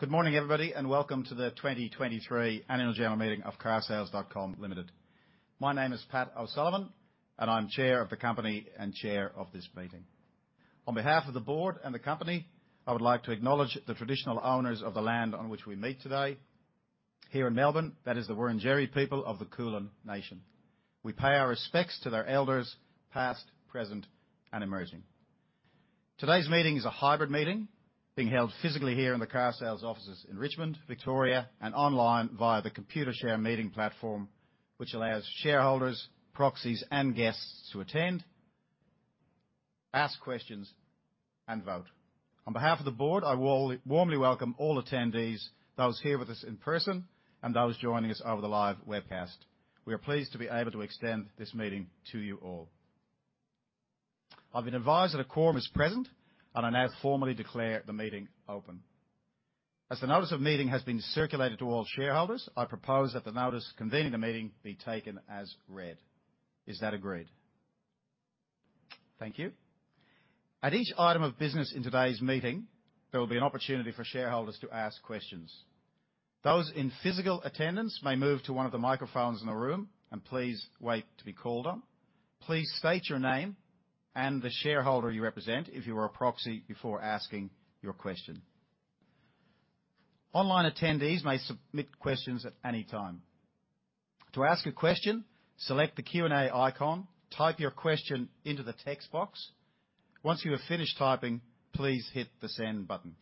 Good morning, everybody, and welcome to the 2023 annual general meeting of carsales.com Limited. My name is Pat O'Sullivan, and I'm Chair of the company and Chair of this meeting. On behalf of the board and the company, I would like to acknowledge the traditional owners of the land on which we meet today. Here in Melbourne, that is the Wurundjeri people of the Kulin nation. We pay our respects to their elders, past, present, and emerging. Today's meeting is a hybrid meeting, being held physically here in the carsales offices in Richmond, Victoria, and online via the Computershare meeting platform, which allows shareholders, proxies, and guests to attend, ask questions, and vote. On behalf of the board, I warmly welcome all attendees, those here with us in person and those joining us over the live webcast. We are pleased to be able to extend this meeting to you all. I've been advised that a quorum is present, and I now formally declare the meeting open. As the notice of meeting has been circulated to all shareholders, I propose that the notice convening the meeting be taken as read. Is that agreed? Thank you. At each item of business in today's meeting, there will be an opportunity for shareholders to ask questions. Those in physical attendance may move to one of the microphones in the room, and please wait to be called on. Please state your name and the shareholder you represent, if you are a proxy, before asking your question. Online attendees may submit questions at any time. To ask a question, select the Q&A icon, type your question into the text box. Once you have finished typing, please hit the Send button.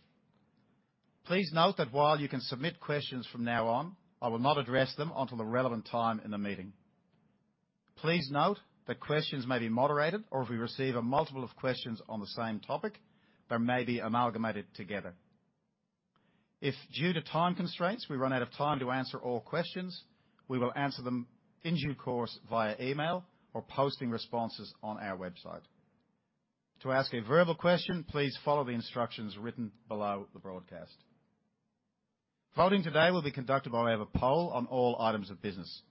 Please note that while you can submit questions from now on, I will not address them until the relevant time in the meeting. Please note that questions may be moderated, or if we receive a multiple of questions on the same topic, they may be amalgamated together. If due to time constraints, we run out of time to answer all questions, we will answer them in due course via email or posting responses on our website. To ask a verbal question, please follow the instructions written below the broadcast. Voting today will be conducted by way of a poll on all items of business.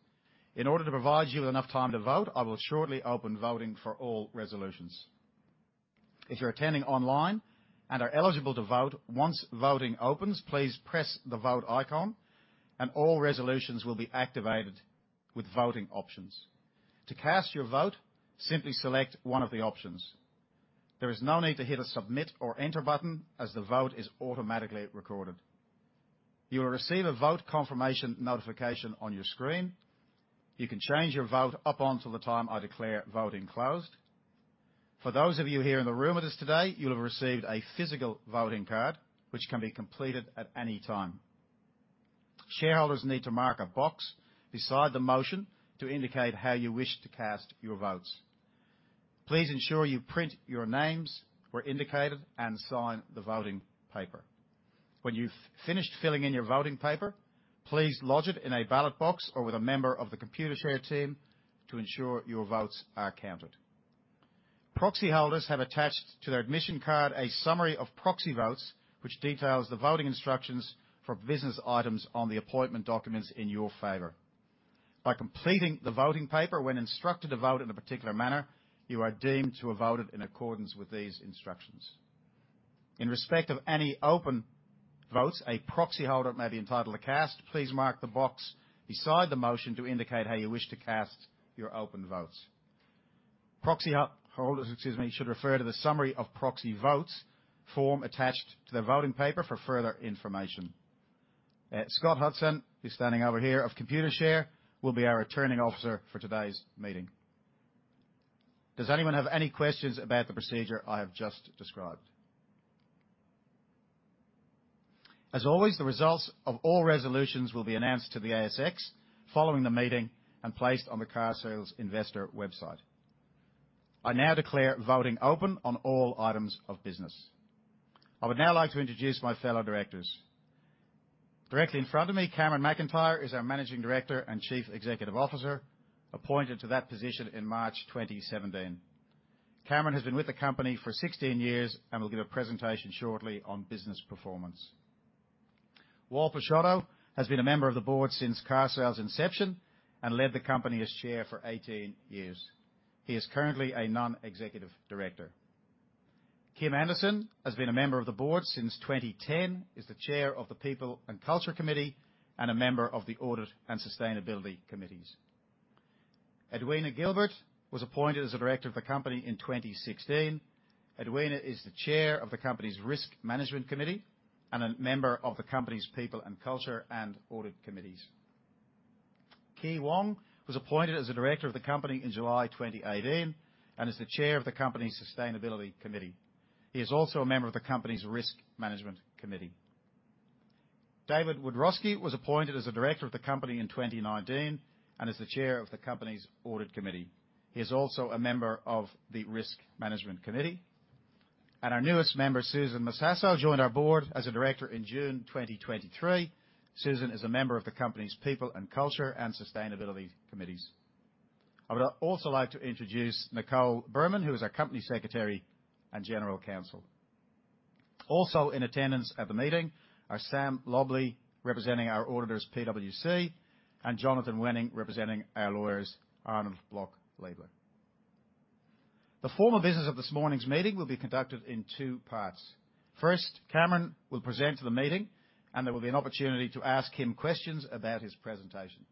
In order to provide you with enough time to vote, I will shortly open voting for all resolutions. If you're attending online and are eligible to vote, once voting opens, please press the Vote icon, and all resolutions will be activated with voting options. To cast your vote, simply select one of the options. There is no need to hit a Submit or Enter button, as the vote is automatically recorded. You will receive a vote confirmation notification on your screen. You can change your vote up until the time I declare voting closed. For those of you here in the room with us today, you'll have received a physical voting card, which can be completed at any time. Shareholders need to mark a box beside the motion to indicate how you wish to cast your votes. Please ensure you print your names where indicated and sign the voting paper. When you've finished filling in your voting paper, please lodge it in a ballot box or with a member of the Computershare team to ensure your votes are counted. Proxy holders have attached to their admission card a summary of proxy votes, which details the voting instructions for business items on the appointment documents in your favor. By completing the voting paper, when instructed to vote in a particular manner, you are deemed to have voted in accordance with these instructions. In respect of any open votes a proxyholder may be entitled to cast, please mark the box beside the motion to indicate how you wish to cast your open votes. Proxy holders, excuse me, should refer to the summary of proxy votes form attached to their voting paper for further information. Scott Hudson, who's standing over here, of Computershare, will be our returning officer for today's meeting. Does anyone have any questions about the procedure I have just described? As always, the results of all resolutions will be announced to the ASX following the meeting and placed on the Carsales investor website. I now declare voting open on all items of business. I would now like to introduce my fellow directors. Directly in front of me, Cameron McIntyre is our Managing Director and Chief Executive Officer, appointed to that position in March 2017. Cameron has been with the company for 16 years and will give a presentation shortly on business performance. Wal Pisciotta has been a member of the board since Carsales' inception and led the company as Chair for 18 years. He is currently a Non-Executive Director. Kim Anderson has been a member of the board since 2010, is the Chair of the People and Culture Committee, and a member of the Audit and Sustainability Committees. Edwina Gilbert was appointed as a director of the company in 2016. Edwina is the chair of the company's Risk Management Committee and a member of the company's People and Culture and Audit committees. Kee Wong was appointed as a director of the company in July 2018 and is the chair of the company's Sustainability Committee. He is also a member of the company's Risk Management Committee. David Wiadrowski was appointed as a director of the company in 2019 and is the chair of the company's Audit Committee. He is also a member of the Risk Management Committee. Our newest member, Susan Massasso, joined our board as a director in June 2023. Susan is a member of the company's People and Culture and Sustainability committees. I would also like to introduce Nicole Birman, who is our company secretary and general counsel. Also in attendance at the meeting are Sam Lobley, representing our auditors, PwC, and Jonathan Wenig, representing our lawyers, Arnold Bloch Leibler. The formal business of this morning's meeting will be conducted in two parts. First, Cameron will present to the meeting, and there will be an opportunity to ask him questions about his presentation.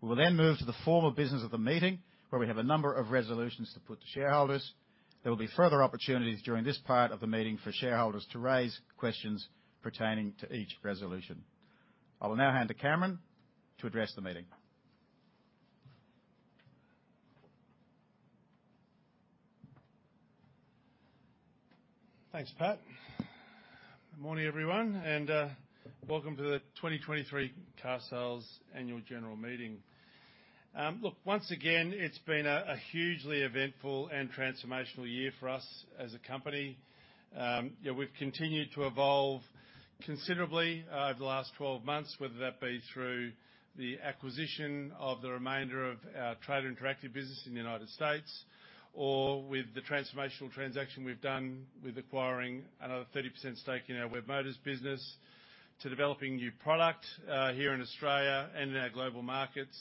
We will then move to the formal business of the meeting, where we have a number of resolutions to put to shareholders. There will be further opportunities during this part of the meeting for shareholders to raise questions pertaining to each resolution. I will now hand to Cameron to address the meeting. Thanks, Pat. Good morning, everyone, and welcome to the 2023 Carsales annual general meeting. Look, once again, it's been a hugely eventful and transformational year for us as a company. Yeah, we've continued to evolve considerably over the last 12 months, whether that be through the acquisition of the remainder of our Trader Interactive business in the United States, or with the transformational transaction we've done with acquiring another 30% stake in our Webmotors business, to developing new product here in Australia and in our global markets.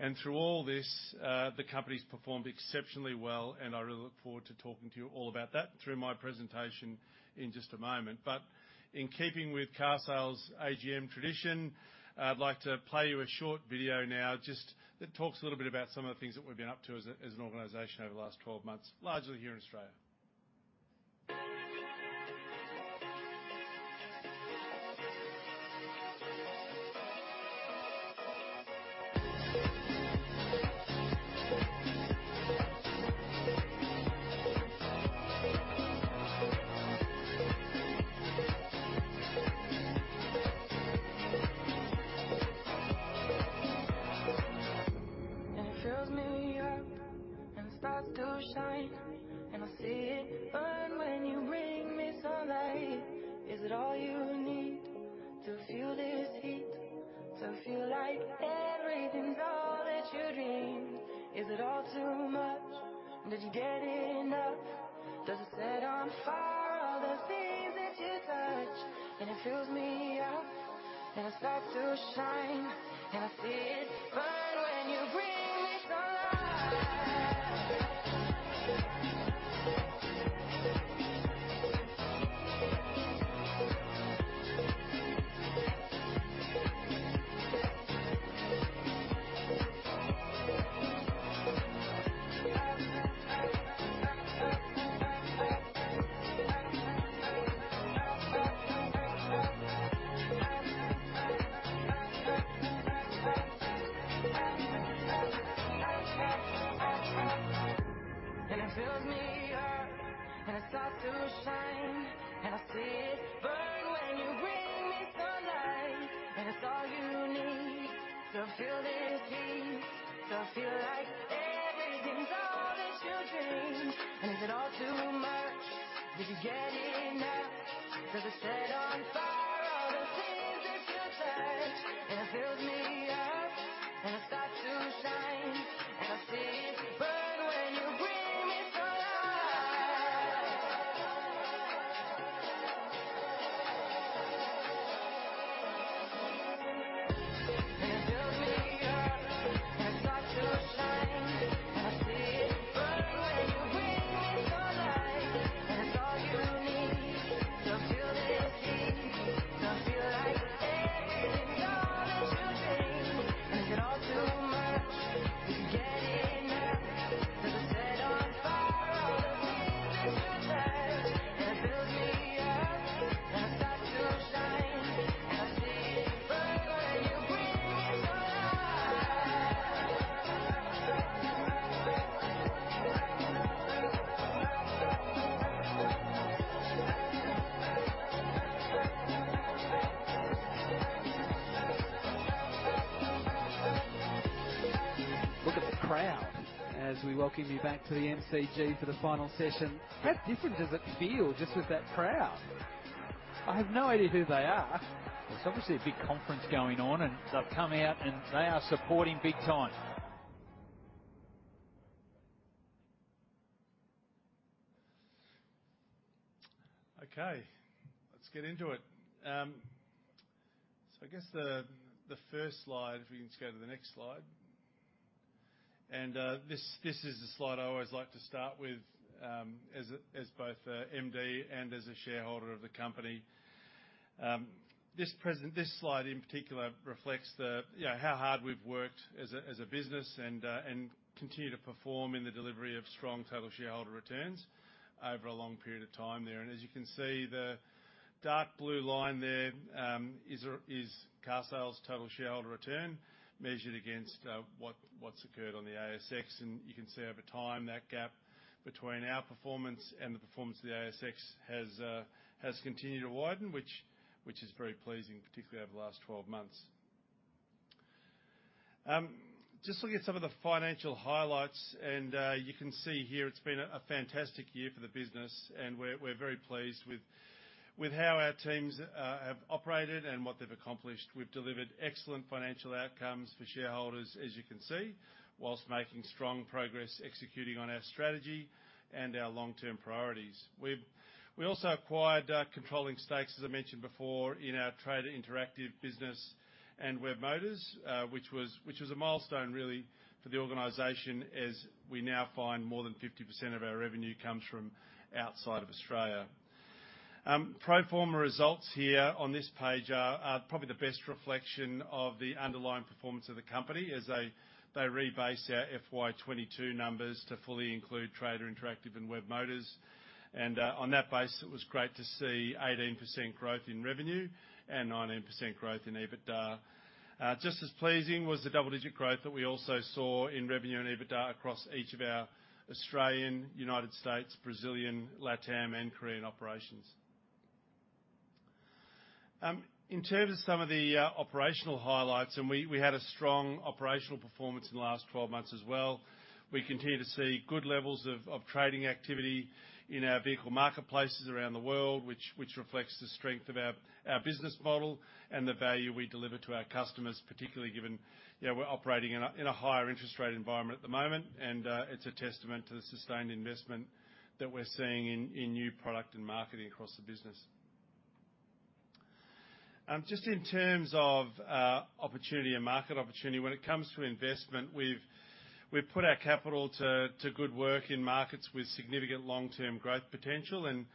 And through all this, the company's performed exceptionally well, and I really look forward to talking to you all about that through my presentation in just a moment. But in keeping with Carsales AGM tradition, I'd like to play you a short video now just that talks a little bit about some of the things that we've been up to as a, as an organization over the last 12 months, largely here in Australia. And it fills me up, and it starts to shine. And I see it burn when you bring me sunlight. Is it all you need to feel this heat? To feel like everything's all that you dreamed. Is it all too much? Did you get enough? Does it set on fire all the things that you touch? And it fills me up, and it starts to shine. And I see it burn when you bring me sunlight. And it fills me up, and it starts to shine. And I see it burn when you bring me sunlight. And it's all you need to feel this heat, to feel like everything's all that you dreamed. And is it all too much? Did you get enough? Does it set on fire all the things that you touch? And it fills me up, and it starts to shine. And I see it burn when you bring me sunlight. And it fills me up, and it starts to shine. I see it burn when you bring me sunlight. And it's all you need to feel this heat, to feel like everything's all that you dreamed. And is it all too much? Did you get enough? Does it set on fire all the things that you touch? And it fills me up, and it starts to shine. And I see it burn when you bring me sunlight. Look at the crowd as we welcome you back to the MCG for the final session. How different does it feel just with that crowd? I have no idea who they are. There's obviously a big conference going on, and they've come out, and they are supporting big time. Okay, let's get into it. I guess the first slide, if we can just go to the next slide. This is the slide I always like to start with, as both a MD and as a shareholder of the company. This slide, in particular, reflects you know how hard we've worked as a business and continue to perform in the delivery of strong total shareholder returns over a long period of time there. As you can see, the dark blue line there is Carsales' total shareholder return, measured against what's occurred on the ASX. And you can see over time, that gap between our performance and the performance of the ASX has, has continued to widen, which, which is very pleasing, particularly over the last 12 months. Just looking at some of the financial highlights, and, you can see here it's been a fantastic year for the business, and we're very pleased with how our teams have operated and what they've accomplished. We've delivered excellent financial outcomes for shareholders, as you can see, while making strong progress executing on our strategy and our long-term priorities. We also acquired controlling stakes, as I mentioned before, in our Trader Interactive business and Webmotors, which was a milestone really for the organization, as we now find more than 50% of our revenue comes from outside of Australia. Pro forma results here on this page are probably the best reflection of the underlying performance of the company, as they rebase our FY 2022 numbers to fully include Trader Interactive and Webmotors. And on that base, it was great to see 18% growth in revenue and 19% growth in EBITDA. Just as pleasing was the double-digit growth that we also saw in revenue and EBITDA across each of our Australian, United States, Brazilian, LatAm, and Korean operations. In terms of some of the operational highlights, we had a strong operational performance in the last 12 months as well. We continue to see good levels of trading activity in our vehicle marketplaces around the world, which reflects the strength of our business model and the value we deliver to our customers, particularly given, you know, we're operating in a higher interest rate environment at the moment, and it's a testament to the sustained investment that we're seeing in new product and marketing across the business. Just in terms of opportunity and market opportunity, when it comes to investment, we've put our capital to good work in markets with significant long-term growth potential, and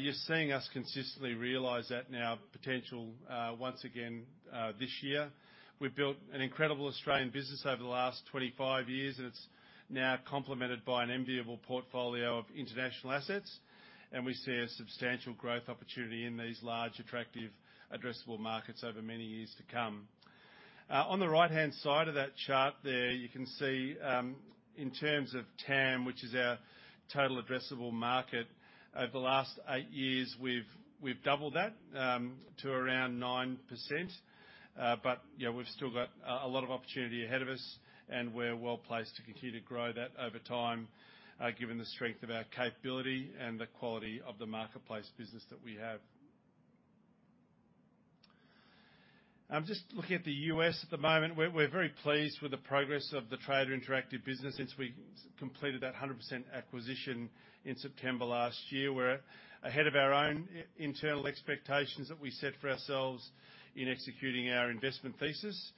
you're seeing us consistently realize that in our potential once again this year. We've built an incredible Australian business over the last 25 years, and it's now complemented by an enviable portfolio of international assets, and we see a substantial growth opportunity in these large, attractive, addressable markets over many years to come. On the right-hand side of that chart there, you can see, in terms of TAM, which is our total addressable market, over the last 8 years, we've doubled that to around 9%. But, you know, we've still got a lot of opportunity ahead of us, and we're well placed to continue to grow that over time, given the strength of our capability and the quality of the marketplace business that we have. Just looking at the US at the moment, we're very pleased with the progress of the Trader Interactive business since we completed that 100% acquisition in September last year. We're ahead of our own internal expectations that we set for ourselves in executing our investment thesis.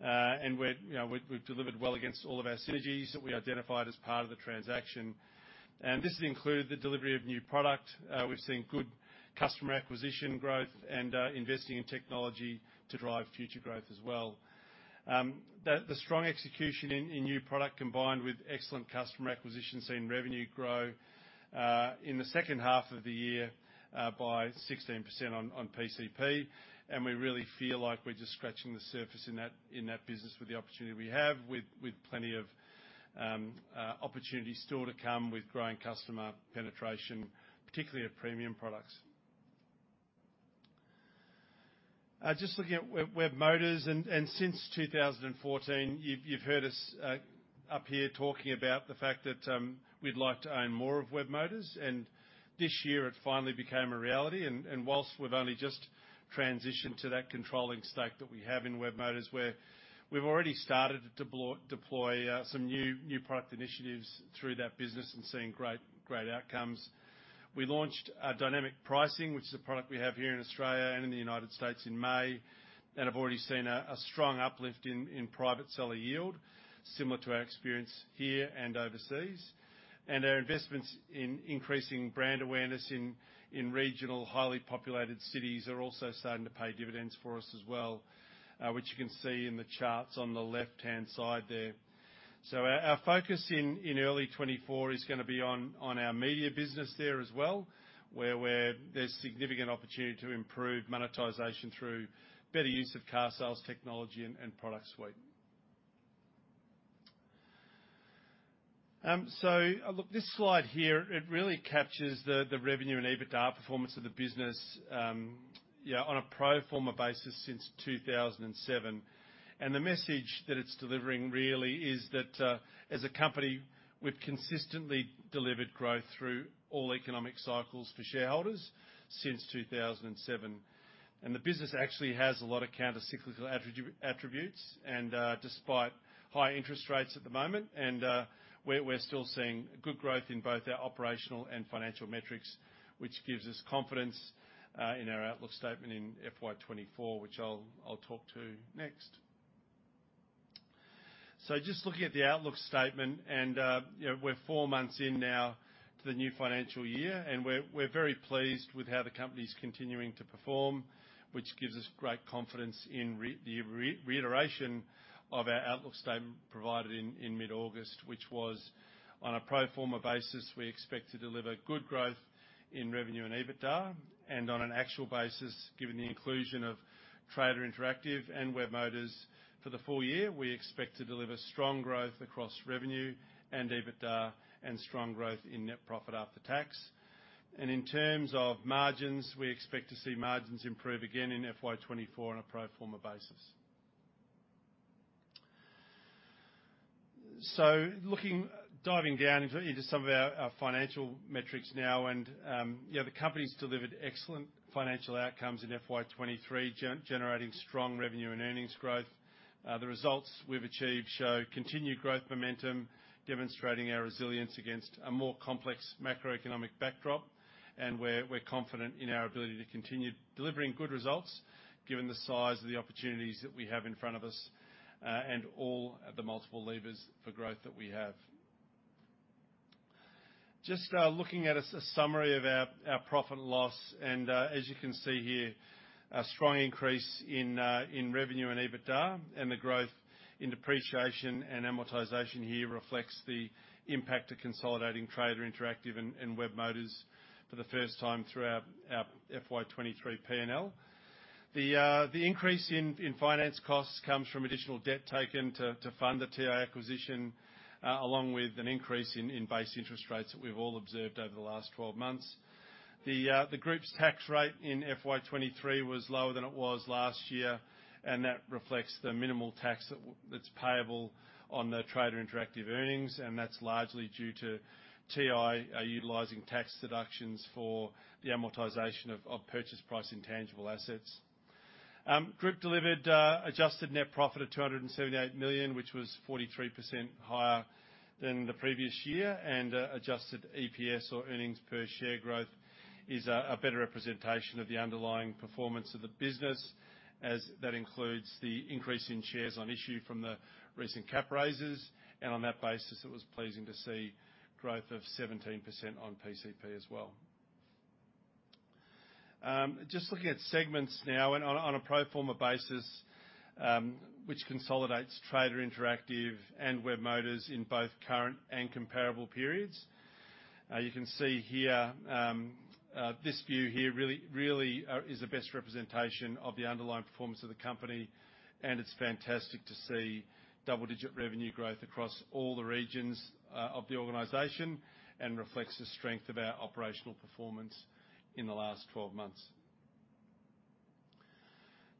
And we're, you know, we've delivered well against all of our synergies that we identified as part of the transaction. And this has included the delivery of new product. We've seen good customer acquisition growth and investing in technology to drive future growth as well. The strong execution in new product, combined with excellent customer acquisition, seen revenue grow in the second half of the year by 16% on PCP, and we really feel like we're just scratching the surface in that business with the opportunity we have, with plenty of opportunity still to come with growing customer penetration, particularly at premium products. Just looking at Webmotors, and since 2014, you've heard us up here talking about the fact that we'd like to own more of Webmotors, and this year it finally became a reality. Whilst we've only just transitioned to that controlling stake that we have in Webmotors, where we've already started to deploy some new product initiatives through that business and seeing great outcomes. We launched dynamic pricing, which is a product we have here in Australia and in the United States in May, and have already seen a strong uplift in private seller yield, similar to our experience here and overseas. Our investments in increasing brand awareness in regional, highly populated cities are also starting to pay dividends for us as well, which you can see in the charts on the left-hand side there. So our focus in early 2024 is gonna be on our media business there as well, where there's significant opportunity to improve monetization through better use of carsales technology and product suite. So, look, this slide here, it really captures the revenue and EBITDA performance of the business on a pro forma basis since 2007. The message that it's delivering really is that, as a company, we've consistently delivered growth through all economic cycles for shareholders since 2007. And the business actually has a lot of countercyclical attributes, and despite high interest rates at the moment, we're still seeing good growth in both our operational and financial metrics, which gives us confidence in our outlook statement in FY 2024, which I'll talk to next. So just looking at the outlook statement, and, you know, we're 4 months in now to the new financial year, and we're very pleased with how the company's continuing to perform, which gives us great confidence in the reiteration of our outlook statement provided in mid-August, which was: on a pro forma basis, we expect to deliver good growth in revenue and EBITDA, and on an actual basis, given the inclusion of Trader Interactive and Webmotors for the full year, we expect to deliver strong growth across revenue and EBITDA, and strong growth in net profit after tax. And in terms of margins, we expect to see margins improve again in FY 2024 on a pro forma basis. So looking, diving down into some of our, our financial metrics now, and, yeah, the company's delivered excellent financial outcomes in FY 2023, generating strong revenue and earnings growth. The results we've achieved show continued growth momentum, demonstrating our resilience against a more complex macroeconomic backdrop, and we're, we're confident in our ability to continue delivering good results given the size of the opportunities that we have in front of us, and all the multiple levers for growth that we have. Just looking at a summary of our, our profit and loss, and, as you can see here, a strong increase in, in revenue and EBITDA, and the growth in depreciation and amortization here reflects the impact of consolidating Trader Interactive and Webmotors for the first time through our, our FY 2023 P&L. The increase in finance costs comes from additional debt taken to fund the TI acquisition, along with an increase in base interest rates that we've all observed over the last 12 months. The group's tax rate in FY 2023 was lower than it was last year, and that reflects the minimal tax that's payable on the Trader Interactive earnings, and that's largely due to TI utilizing tax deductions for the amortization of purchase price intangible assets. The group delivered adjusted net profit of 278 million, which was 43% higher than the previous year, and adjusted EPS, or earnings per share growth, is a better representation of the underlying performance of the business, as that includes the increase in shares on issue from the recent cap raises. And on that basis, it was pleasing to see growth of 17% on PCP as well. Just looking at segments now, and on a pro forma basis, which consolidates Trader Interactive and Webmotors in both current and comparable periods. You can see here, this view here really, really, is the best representation of the underlying performance of the company, and it's fantastic to see double-digit revenue growth across all the regions of the organization and reflects the strength of our operational performance in the last 12 months.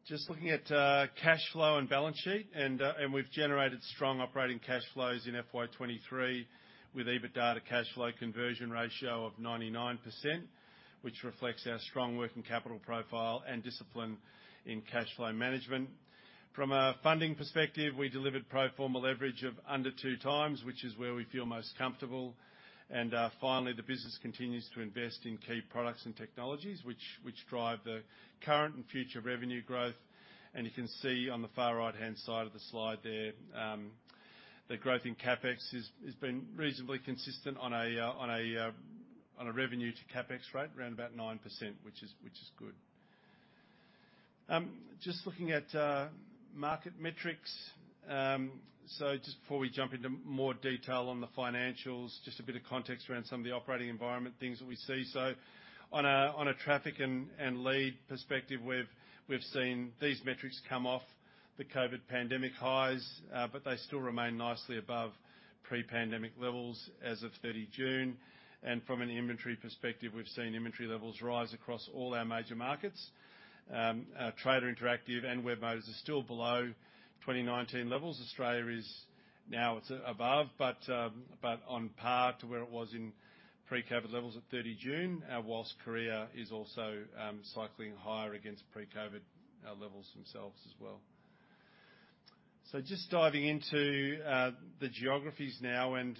Just looking at cash flow and balance sheet, and we've generated strong operating cash flows in FY 2023, with EBITDA to cash flow conversion ratio of 99%, which reflects our strong working capital profile and discipline in cash flow management. From a funding perspective, we delivered pro forma leverage of under 2 times, which is where we feel most comfortable. And, finally, the business continues to invest in key products and technologies which drive the current and future revenue growth. And you can see on the far right-hand side of the slide there, the growth in CapEx has been reasonably consistent on a revenue to CapEx rate, around about 9%, which is good. Just looking at market metrics. So just before we jump into more detail on the financials, just a bit of context around some of the operating environment things that we see. So on a traffic and lead perspective, we've seen these metrics come off the COVID pandemic highs, but they still remain nicely above pre-pandemic levels as of 30 June. And from an inventory perspective, we've seen inventory levels rise across all our major markets. Trader Interactive and Webmotors are still below 2019 levels. Australia is now above, but on par to where it was in pre-COVID levels at 30 June, while Korea is also cycling higher against pre-COVID levels themselves as well. So just diving into the geographies now, and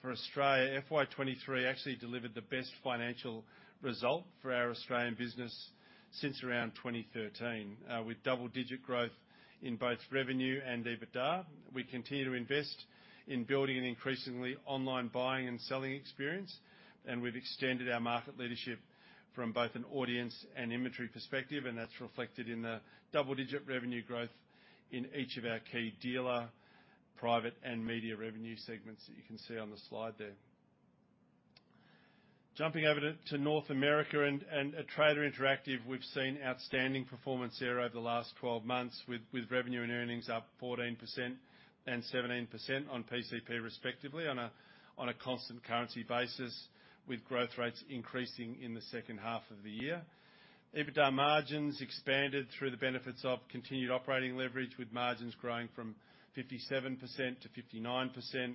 for Australia, FY 2023 actually delivered the best financial result for our Australian business since around 2013. With double-digit growth in both revenue and EBITDA, we continue to invest in building an increasingly online buying and selling experience, and we've extended our market leadership from both an audience and inventory perspective, and that's reflected in the double-digit revenue growth in each of our key dealer, private, and media revenue segments that you can see on the slide there. Jumping over to North America and at Trader Interactive, we've seen outstanding performance there over the last 12 months, with revenue and earnings up 14% and 17% on PCP, respectively, on a constant currency basis, with growth rates increasing in the second half of the year. EBITDA margins expanded through the benefits of continued operating leverage, with margins growing from 57% to 59%.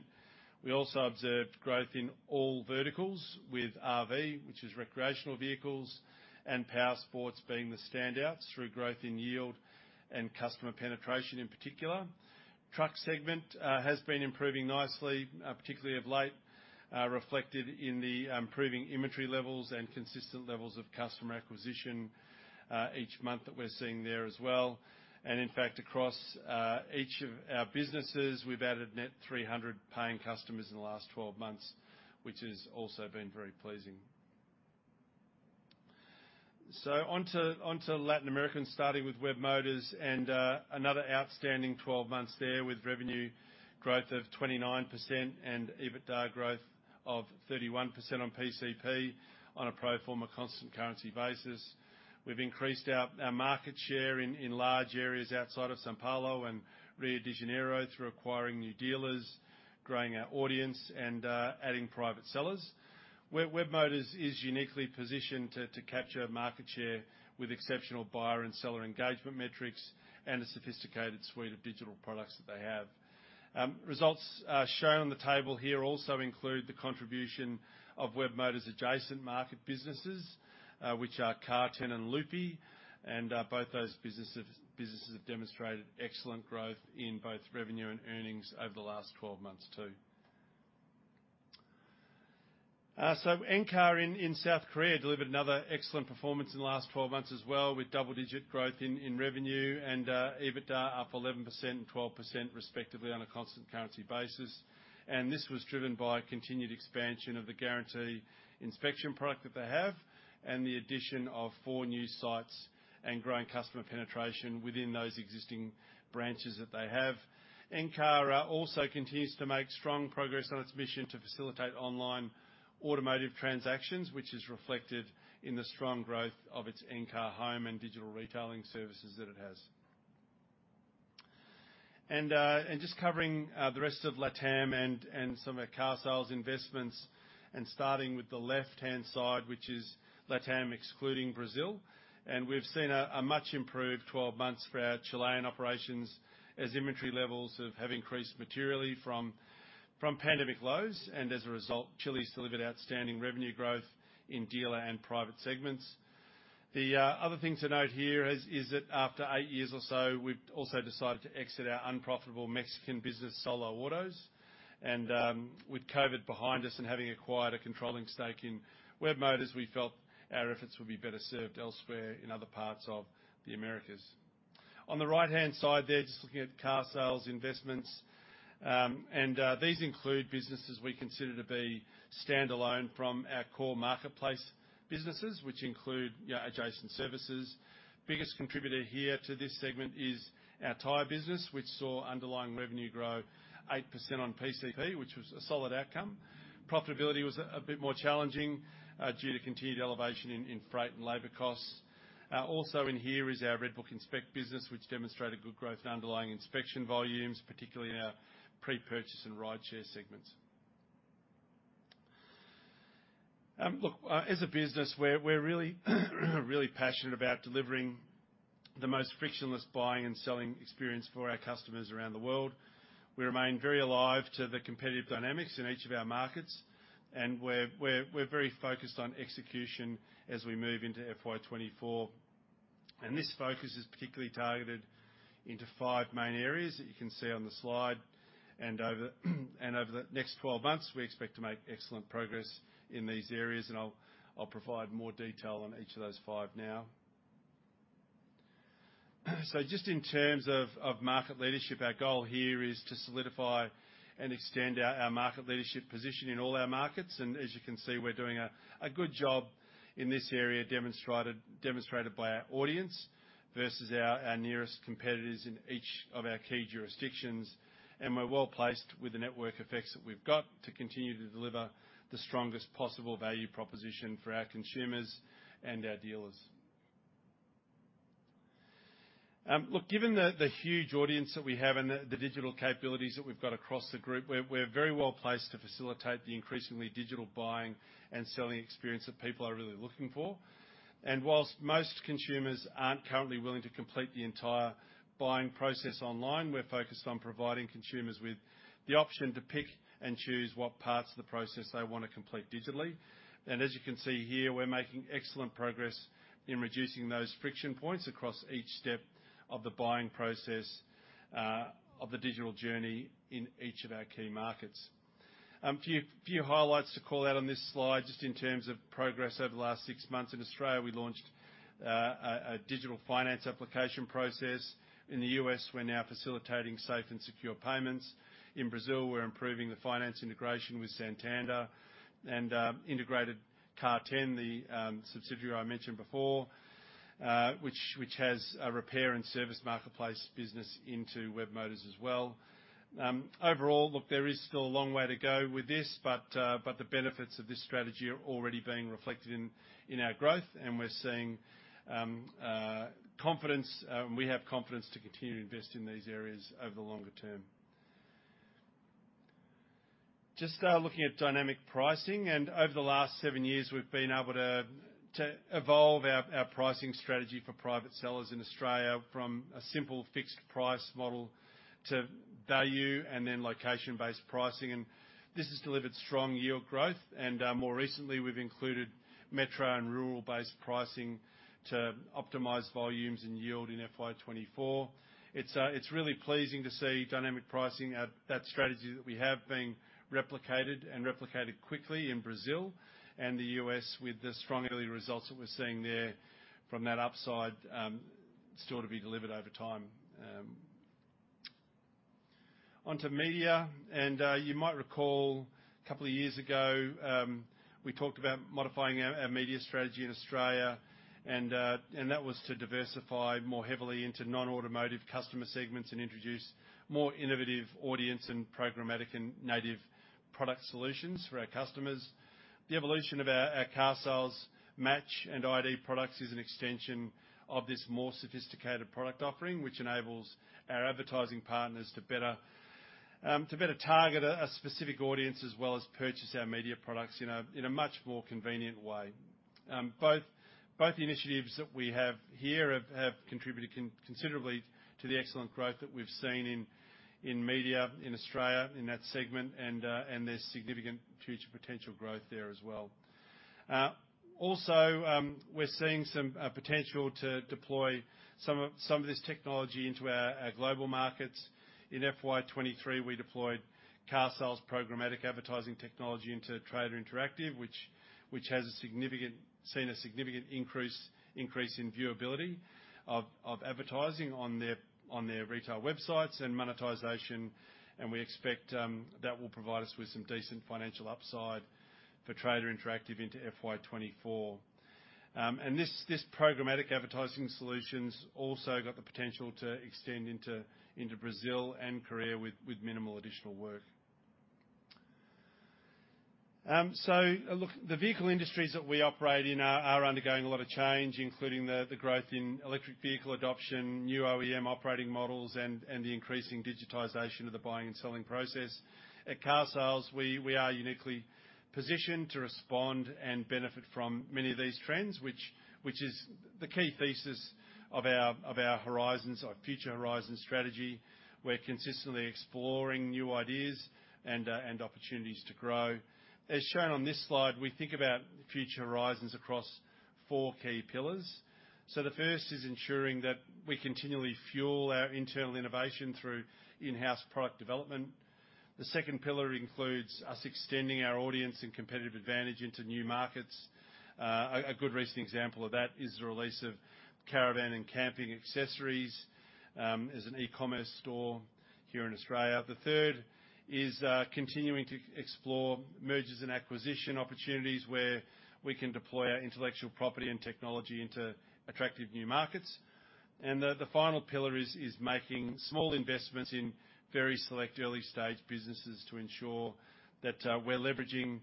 We also observed growth in all verticals with RV, which is recreational vehicles, and powersports being the standouts through growth in yield and customer penetration in particular. Truck segment has been improving nicely, particularly of late, reflected in the improving inventory levels and consistent levels of customer acquisition each month that we're seeing there as well. And in fact, across each of our businesses, we've added net 300 paying customers in the last 12 months, which has also been very pleasing. So on to Latin America, starting with Webmotors, and another outstanding 12 months there, with revenue growth of 29% and EBITDA growth of 31% on PCP on a pro forma constant currency basis. We've increased our market share in large areas outside of São Paulo and Rio de Janeiro through acquiring new dealers, growing our audience, and adding private sellers. Webmotors is uniquely positioned to capture market share with exceptional buyer and seller engagement metrics and a sophisticated suite of digital products that they have. Results shown on the table here also include the contribution of Webmotors' adjacent market businesses, which are Car10 and Loop, and both those businesses have demonstrated excellent growth in both revenue and earnings over the last twelve months, too. So Encar in South Korea delivered another excellent performance in the last twelve months as well, with double-digit growth in revenue and EBITDA up 11% and 12% respectively on a constant currency basis. This was driven by continued expansion of the Guarantee Inspection product that they have, and the addition of 4 new sites and growing customer penetration within those existing branches that they have. Encar also continues to make strong progress on its mission to facilitate online automotive transactions, which is reflected in the strong growth of its Encar Home and digital retailing services that it has. And just covering the rest of LatAm and some of our Carsales Investments, and starting with the left-hand side, which is LatAm, excluding Brazil. We've seen a much improved 12 months for our Chilean operations, as inventory levels have increased materially from pandemic lows. As a result, Chile's delivered outstanding revenue growth in dealer and private segments. The other thing to note here is that after eight years or so, we've also decided to exit our unprofitable Mexican business, SoloAutos. With COVID behind us and having acquired a controlling stake in Webmotors, we felt our efforts would be better served elsewhere in other parts of the Americas. On the right-hand side there, just looking at Carsales Investments, and these include businesses we consider to be standalone from our core marketplace businesses, which include adjacent services. Biggest contributor here to this segment is our tire business, which saw underlying revenue grow 8% on PCP, which was a solid outcome. Profitability was a bit more challenging due to continued elevation in freight and labor costs. Also in here is our RedBook Inspect business, which demonstrated good growth in underlying inspection volumes, particularly in our pre-purchase and rideshare segments. Look, as a business, we're really, really passionate about delivering the most frictionless buying and selling experience for our customers around the world. We remain very alive to the competitive dynamics in each of our markets, and we're very focused on execution as we move into FY 2024. This focus is particularly targeted into five main areas that you can see on the slide. Over the next 12 months, we expect to make excellent progress in these areas, and I'll provide more detail on each of those five now. Just in terms of market leadership, our goal here is to solidify and extend our market leadership position in all our markets. As you can see, we're doing a good job in this area, demonstrated by our audience versus our nearest competitors in each of our key jurisdictions. We're well placed with the network effects that we've got to continue to deliver the strongest possible value proposition for our consumers and our dealers. Look, given the huge audience that we have and the digital capabilities that we've got across the group, we're very well placed to facilitate the increasingly digital buying and selling experience that people are really looking for. While most consumers aren't currently willing to complete the entire buying process online, we're focused on providing consumers with the option to pick and choose what parts of the process they want to complete digitally. As you can see here, we're making excellent progress in reducing those friction points across each step of the buying process, of the digital journey in each of our key markets. A few highlights to call out on this slide, just in terms of progress over the last six months. In Australia, we launched a digital finance application process. In the US, we're now facilitating safe and secure payments. In Brazil, we're improving the finance integration with Santander and integrated Car10, the subsidiary I mentioned before, which has a repair and service marketplace business into Webmotors as well. Overall, look, there is still a long way to go with this, but the benefits of this strategy are already being reflected in our growth, and we're seeing confidence. We have confidence to continue to invest in these areas over the longer term. Just looking at Dynamic Pricing, and over the last seven years, we've been able to evolve our pricing strategy for private sellers in Australia from a simple fixed price model to value and then location-based pricing. And this has delivered strong yield growth, and more recently, we've included metro and rural-based pricing to optimize volumes and yield in FY 2024. It's really pleasing to see Dynamic Pricing, that strategy that we have, being replicated and replicated quickly in Brazil and the U.S., with the strong early results that we're seeing there from that upside, still to be delivered over time. On to media, and you might recall a couple of years ago, we talked about modifying our media strategy in Australia, and that was to diversify more heavily into non-automotive customer segments and introduce more innovative audience and programmatic and native product solutions for our customers. The evolution of our carsales match and ID products is an extension of this more sophisticated product offering, which enables our advertising partners to better target a specific audience, as well as purchase our media products in a much more convenient way. Both the initiatives that we have here have contributed considerably to the excellent growth that we've seen in media in Australia in that segment, and there's significant future potential growth there as well. Also, we're seeing some potential to deploy some of this technology into our global markets. In FY 2023, we deployed carsales programmatic advertising technology into Trader Interactive, which has seen a significant increase in viewability of advertising on their retail websites and monetization. And we expect that will provide us with some decent financial upside for Trader Interactive into FY 2024. And this programmatic advertising solutions also got the potential to extend into Brazil and Korea with minimal additional work. So, look, the vehicle industries that we operate in are undergoing a lot of change, including the growth in electric vehicle adoption, new OEM operating models, and the increasing digitization of the buying and selling process. At Carsales, we are uniquely positioned to respond and benefit from many of these trends, which is the key thesis of our Future Horizons strategy. We're consistently exploring new ideas and opportunities to grow. As shown on this slide, we think about Future Horizons across four key pillars. So the first is ensuring that we continually fuel our internal innovation through in-house product development. The second pillar includes us extending our audience and competitive advantage into new markets. A good recent example of that is the release of caravan and camping accessories as an e-commerce store here in Australia. The third is continuing to explore mergers and acquisition opportunities, where we can deploy our intellectual property and technology into attractive new markets. And the final pillar is making small investments in very select early-stage businesses to ensure that we're leveraging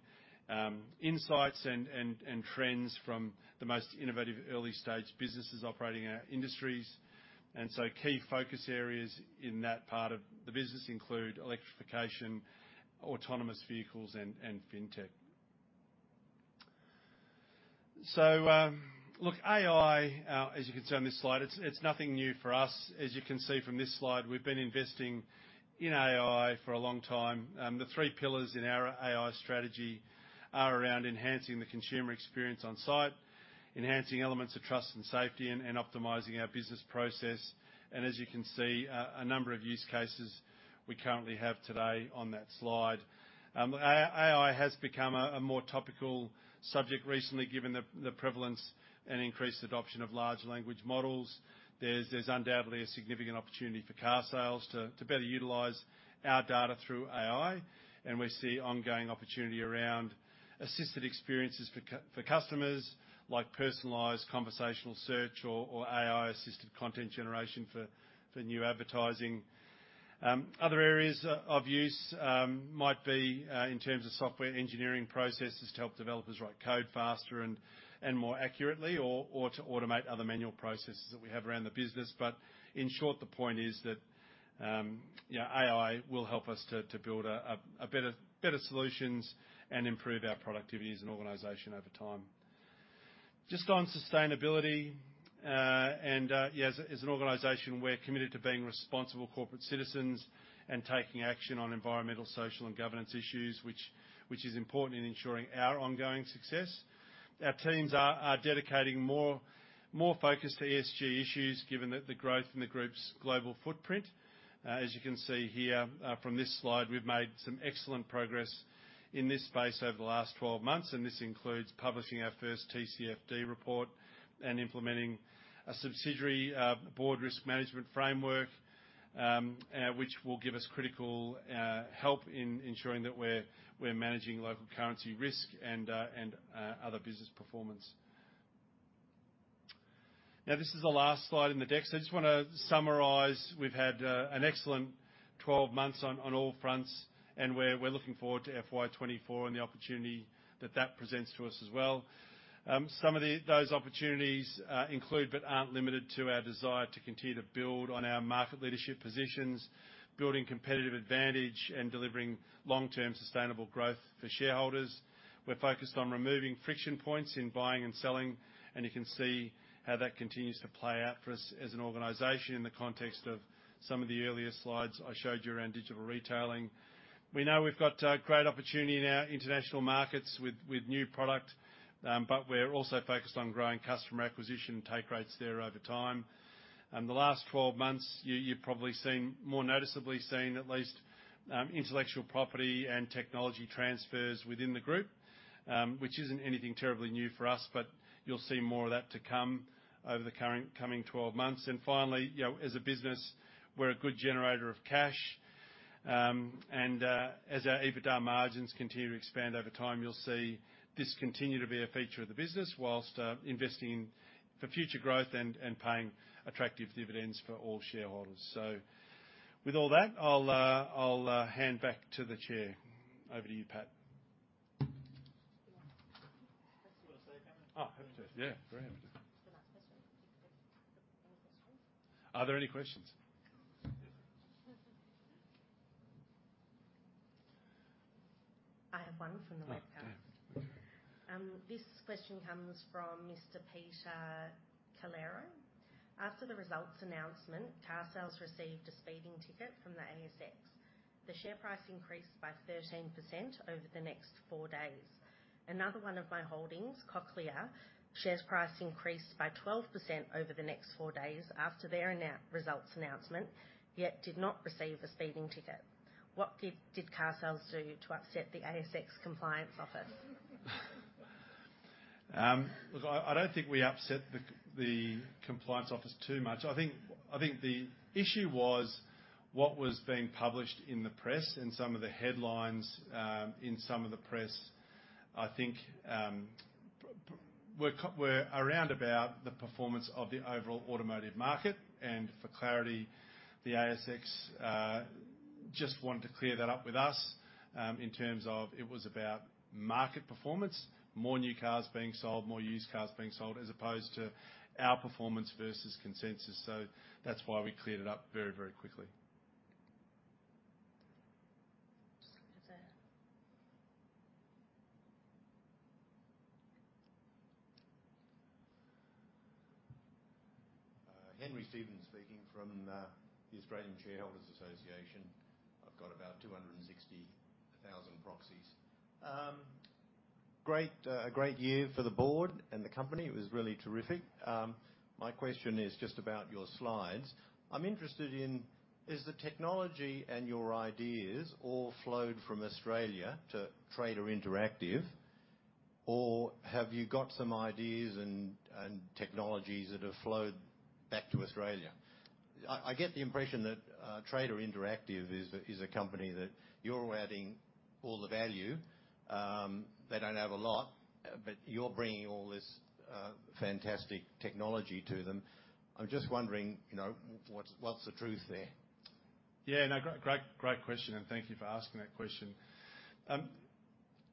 insights and trends from the most innovative early-stage businesses operating in our industries. And so key focus areas in that part of the business include electrification, autonomous vehicles, and fintech. So, look, AI, as you can see on this slide, it's nothing new for us. As you can see from this slide, we've been investing in AI for a long time. The three pillars in our AI strategy are around enhancing the consumer experience on site, enhancing elements of trust and safety, and optimizing our business process. And as you can see, a number of use cases we currently have today on that slide. AI has become a more topical subject recently, given the prevalence and increased adoption of large language models. There's undoubtedly a significant opportunity for Carsales to better utilize our data through AI, and we see ongoing opportunity around assisted experiences for customers, like personalized conversational search or AI-assisted content generation for new advertising. Other areas of use might be in terms of software engineering processes to help developers write code faster and more accurately, or to automate other manual processes that we have around the business. But in short, the point is that, you know, AI will help us to build better solutions and improve our productivity as an organization over time. Just on sustainability, and as an organization, we're committed to being responsible corporate citizens and taking action on environmental, social, and governance issues, which is important in ensuring our ongoing success. Our teams are dedicating more focus to ESG issues, given the growth in the group's global footprint. As you can see here, from this slide, we've made some excellent progress in this space over the last 12 months, and this includes publishing our first TCFD report and implementing a subsidiary board risk management framework, which will give us critical help in ensuring that we're managing local currency risk and other business performance. Now, this is the last slide in the deck, so I just wanna summarize. We've had an excellent 12 months on all fronts, and we're looking forward to FY 2024 and the opportunity that presents to us as well. Some of those opportunities include, but aren't limited to, our desire to continue to build on our market leadership positions, building competitive advantage, and delivering long-term sustainable growth for shareholders. We're focused on removing friction points in buying and selling, and you can see how that continues to play out for us as an organization in the context of some of the earlier slides I showed you around digital retailing. We know we've got great opportunity in our international markets with new product, but we're also focused on growing customer acquisition and take rates there over time. The last 12 months, you've probably seen, more noticeably seen, at least, intellectual property and technology transfers within the group, which isn't anything terribly new for us, but you'll see more of that to come over the coming 12 months. And finally, you know, as a business, we're a good generator of cash. And as our EBITDA margins continue to expand over time, you'll see this continue to be a feature of the business, whilst investing in... for future growth and paying attractive dividends for all shareholders. So with all that, I'll hand back to the chair. Over to you, Pat. Do you want to say something? Oh, happy to. Yeah, very happy to. For the last question. Any questions? Are there any questions? I have one from the webcast. Oh, good. This question comes from Mr. Peter Calero. "After the results announcement, Carsales received a speeding ticket from the ASX.... The share price increased by 13% over the next four days. Another one of my holdings, Cochlear, share price increased by 12% over the next four days after their results announcement, yet did not receive a speeding ticket. What did Carsales do to upset the ASX Compliance Office? Look, I don't think we upset the compliance office too much. I think the issue was what was being published in the press, and some of the headlines in some of the press, I think, were around about the performance of the overall automotive market. For clarity, the ASX just wanted to clear that up with us, in terms of it was about market performance, more new cars being sold, more used cars being sold, as opposed to our performance versus consensus. So that's why we cleared it up very, very quickly. Just look at there. Henry Stephens speaking from the Australian Shareholders Association. I've got about 260,000 proxies. Great, a great year for the board and the company. It was really terrific. My question is just about your slides. I'm interested in, has the technology and your ideas all flowed from Australia to Trader Interactive, or have you got some ideas and technologies that have flowed back to Australia? I get the impression that Trader Interactive is a company that you're adding all the value. They don't have a lot, but you're bringing all this fantastic technology to them. I'm just wondering, you know, what's the truth there? Yeah, no, great, great question, and thank you for asking that question.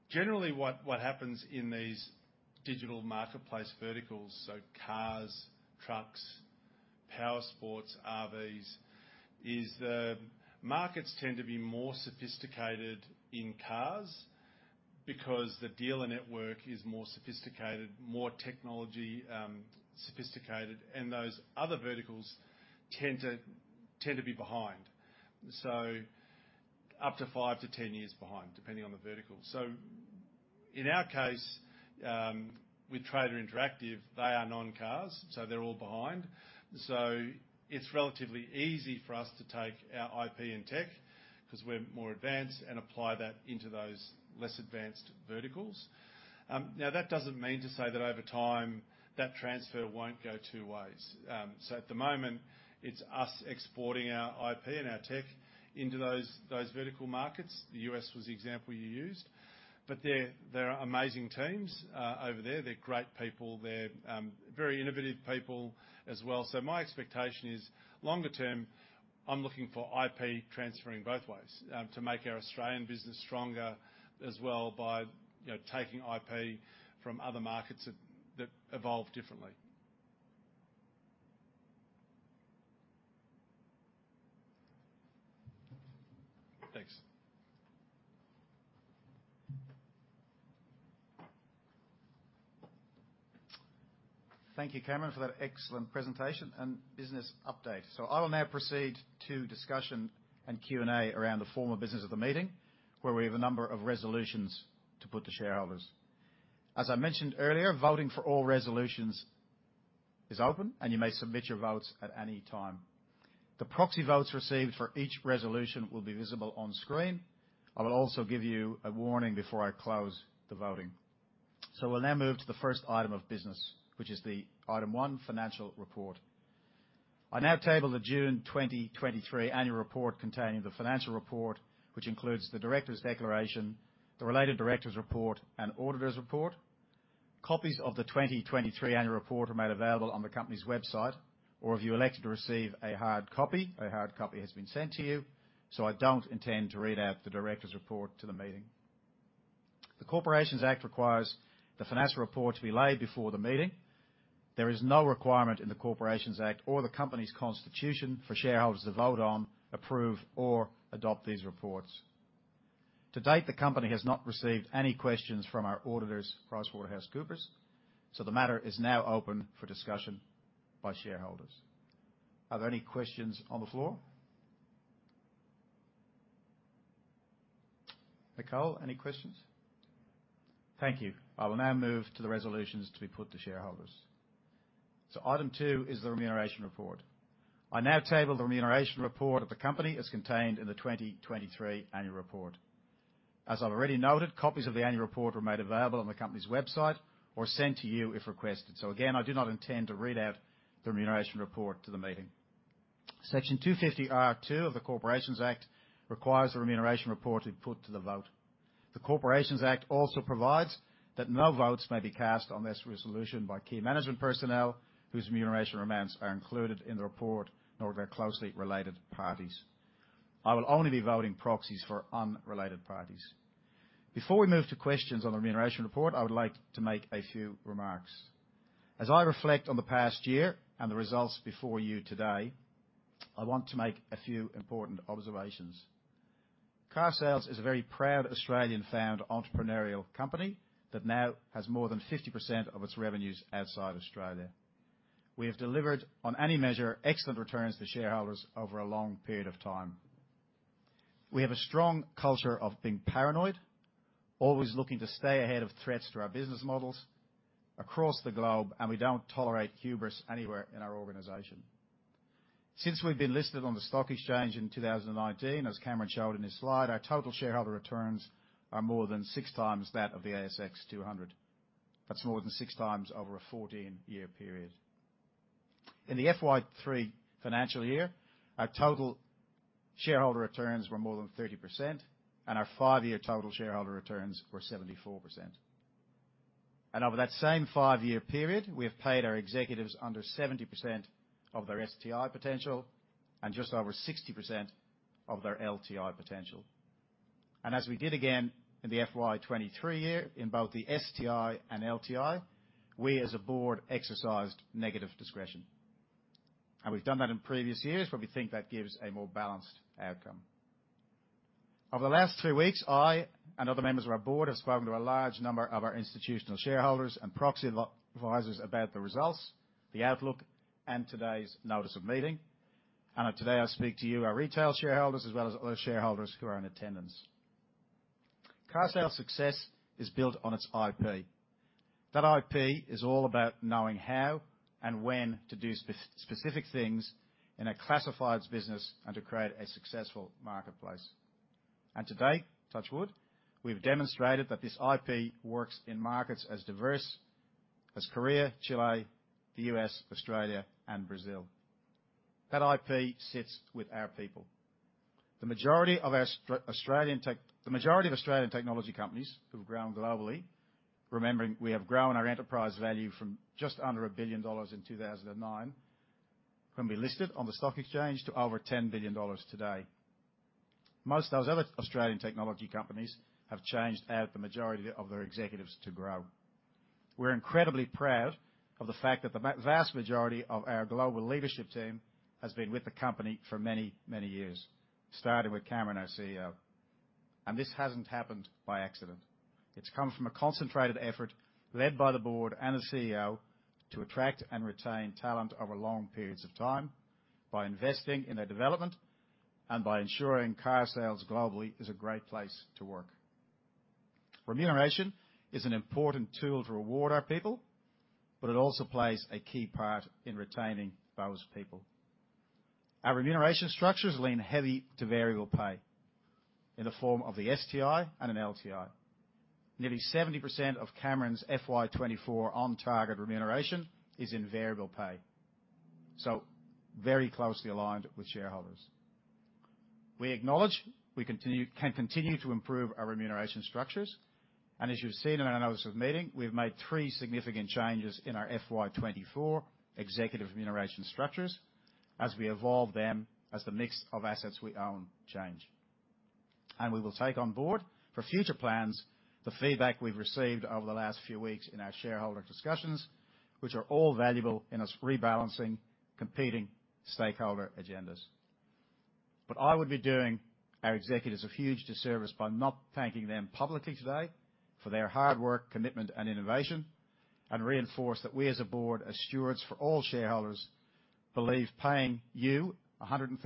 Generally, what happens in these digital marketplace verticals, so cars, trucks, power sports, RVs, is the markets tend to be more sophisticated in cars because the dealer network is more sophisticated, more technology sophisticated, and those other verticals tend to be behind, so up to 5-10 years behind, depending on the vertical. So in our case, with Trader Interactive, they are non-cars, so they're all behind. So it's relatively easy for us to take our IP and tech, 'cause we're more advanced, and apply that into those less advanced verticals. Now, that doesn't mean to say that over time, that transfer won't go two ways. So at the moment, it's us exporting our IP and our tech into those vertical markets. The U.S. was the example you used. But there are amazing teams over there. They're great people. They're very innovative people as well. So my expectation is, longer term, I'm looking for IP transferring both ways, to make our Australian business stronger as well by, you know, taking IP from other markets that evolve differently. Thanks. Thank you, Cameron, for that excellent presentation and business update. I will now proceed to discussion and Q&A around the formal business of the meeting, where we have a number of resolutions to put to shareholders. As I mentioned earlier, voting for all resolutions is open, and you may submit your votes at any time. The proxy votes received for each resolution will be visible on screen. I will also give you a warning before I close the voting. We'll now move to the first item of business, which is item 1, financial report. I now table the June 2023 annual report containing the financial report, which includes the directors' declaration, the related directors' report, and auditors' report. Copies of the 2023 annual report are made available on the company's website, or if you elected to receive a hard copy, a hard copy has been sent to you, so I don't intend to read out the directors' report to the meeting. The Corporations Act requires the financial report to be laid before the meeting. There is no requirement in the Corporations Act or the company's constitution for shareholders to vote on, approve, or adopt these reports. To date, the company has not received any questions from our auditors, PricewaterhouseCoopers, so the matter is now open for discussion by shareholders. Are there any questions on the floor? Nicole, any questions? Thank you. I will now move to the resolutions to be put to shareholders. So item 2 is the remuneration report. I now table the remuneration report of the company as contained in the 2023 annual report. As I've already noted, copies of the annual report were made available on the company's website or sent to you if requested. So again, I do not intend to read out the remuneration report to the meeting. Section 250R(2) of the Corporations Act requires the remuneration report to be put to the vote. The Corporations Act also provides that no votes may be cast on this resolution by key management personnel whose remuneration amounts are included in the report, nor their closely related parties. I will only be voting proxies for unrelated parties. Before we move to questions on the remuneration report, I would like to make a few remarks. As I reflect on the past year and the results before you today, I want to make a few important observations. Carsales is a very proud Australian-founded entrepreneurial company that now has more than 50% of its revenues outside Australia. We have delivered, on any measure, excellent returns to shareholders over a long period of time. We have a strong culture of being paranoid, always looking to stay ahead of threats to our business models across the globe, and we don't tolerate hubris anywhere in our organization. Since we've been listed on the stock exchange in 2019, as Cameron showed in his slide, our total shareholder returns are more than 6 times that of the ASX 200. That's more than 6 times over a 14-year period. In the FY 2023 financial year, our total shareholder returns were more than 30%, and our 5-year total shareholder returns were 74%. Over that same 5-year period, we have paid our executives under 70% of their STI potential and just over 60% of their LTI potential. As we did again in the FY 2023 year, in both the STI and LTI, we, as a board, exercised negative discretion, and we've done that in previous years, but we think that gives a more balanced outcome. Over the last 3 weeks, I and other members of our board have spoken to a large number of our institutional shareholders and proxy advisors about the results, the outlook, and today's notice of meeting. Today, I speak to you, our retail shareholders, as well as other shareholders who are in attendance. Carsales' success is built on its IP. That IP is all about knowing how and when to do specific things in a classifieds business and to create a successful marketplace. Today, touch wood, we've demonstrated that this IP works in markets as diverse as Korea, Chile, the U.S., Australia, and Brazil. That IP sits with our people. The majority of Australian technology companies who've grown globally, remembering we have grown our enterprise value from just under 1 billion dollars in 2009, when we listed on the stock exchange, to over 10 billion dollars today. Most of those other Australian technology companies have changed out the majority of their executives to grow. We're incredibly proud of the fact that the vast majority of our global leadership team has been with the company for many, many years, starting with Cameron, our CEO. This hasn't happened by accident. It's come from a concentrated effort, led by the board and the CEO, to attract and retain talent over long periods of time by investing in their development and by ensuring Carsales globally is a great place to work. Remuneration is an important tool to reward our people, but it also plays a key part in retaining those people. Our remuneration structures lean heavy to variable pay in the form of the STI and an LTI. Nearly 70% of Cameron's FY 2024 on-target remuneration is in variable pay, so very closely aligned with shareholders. We acknowledge we can continue to improve our remuneration structures, and as you've seen in our notice of meeting, we've made three significant changes in our FY 2024 executive remuneration structures as we evolve them, as the mix of assets we own change. We will take on board for future plans, the feedback we've received over the last few weeks in our shareholder discussions, which are all valuable in us rebalancing competing stakeholder agendas. But I would be doing our executives a huge disservice by not thanking them publicly today for their hard work, commitment, and innovation, and reinforce that we, as a board, as stewards for all shareholders, believe paying you 135%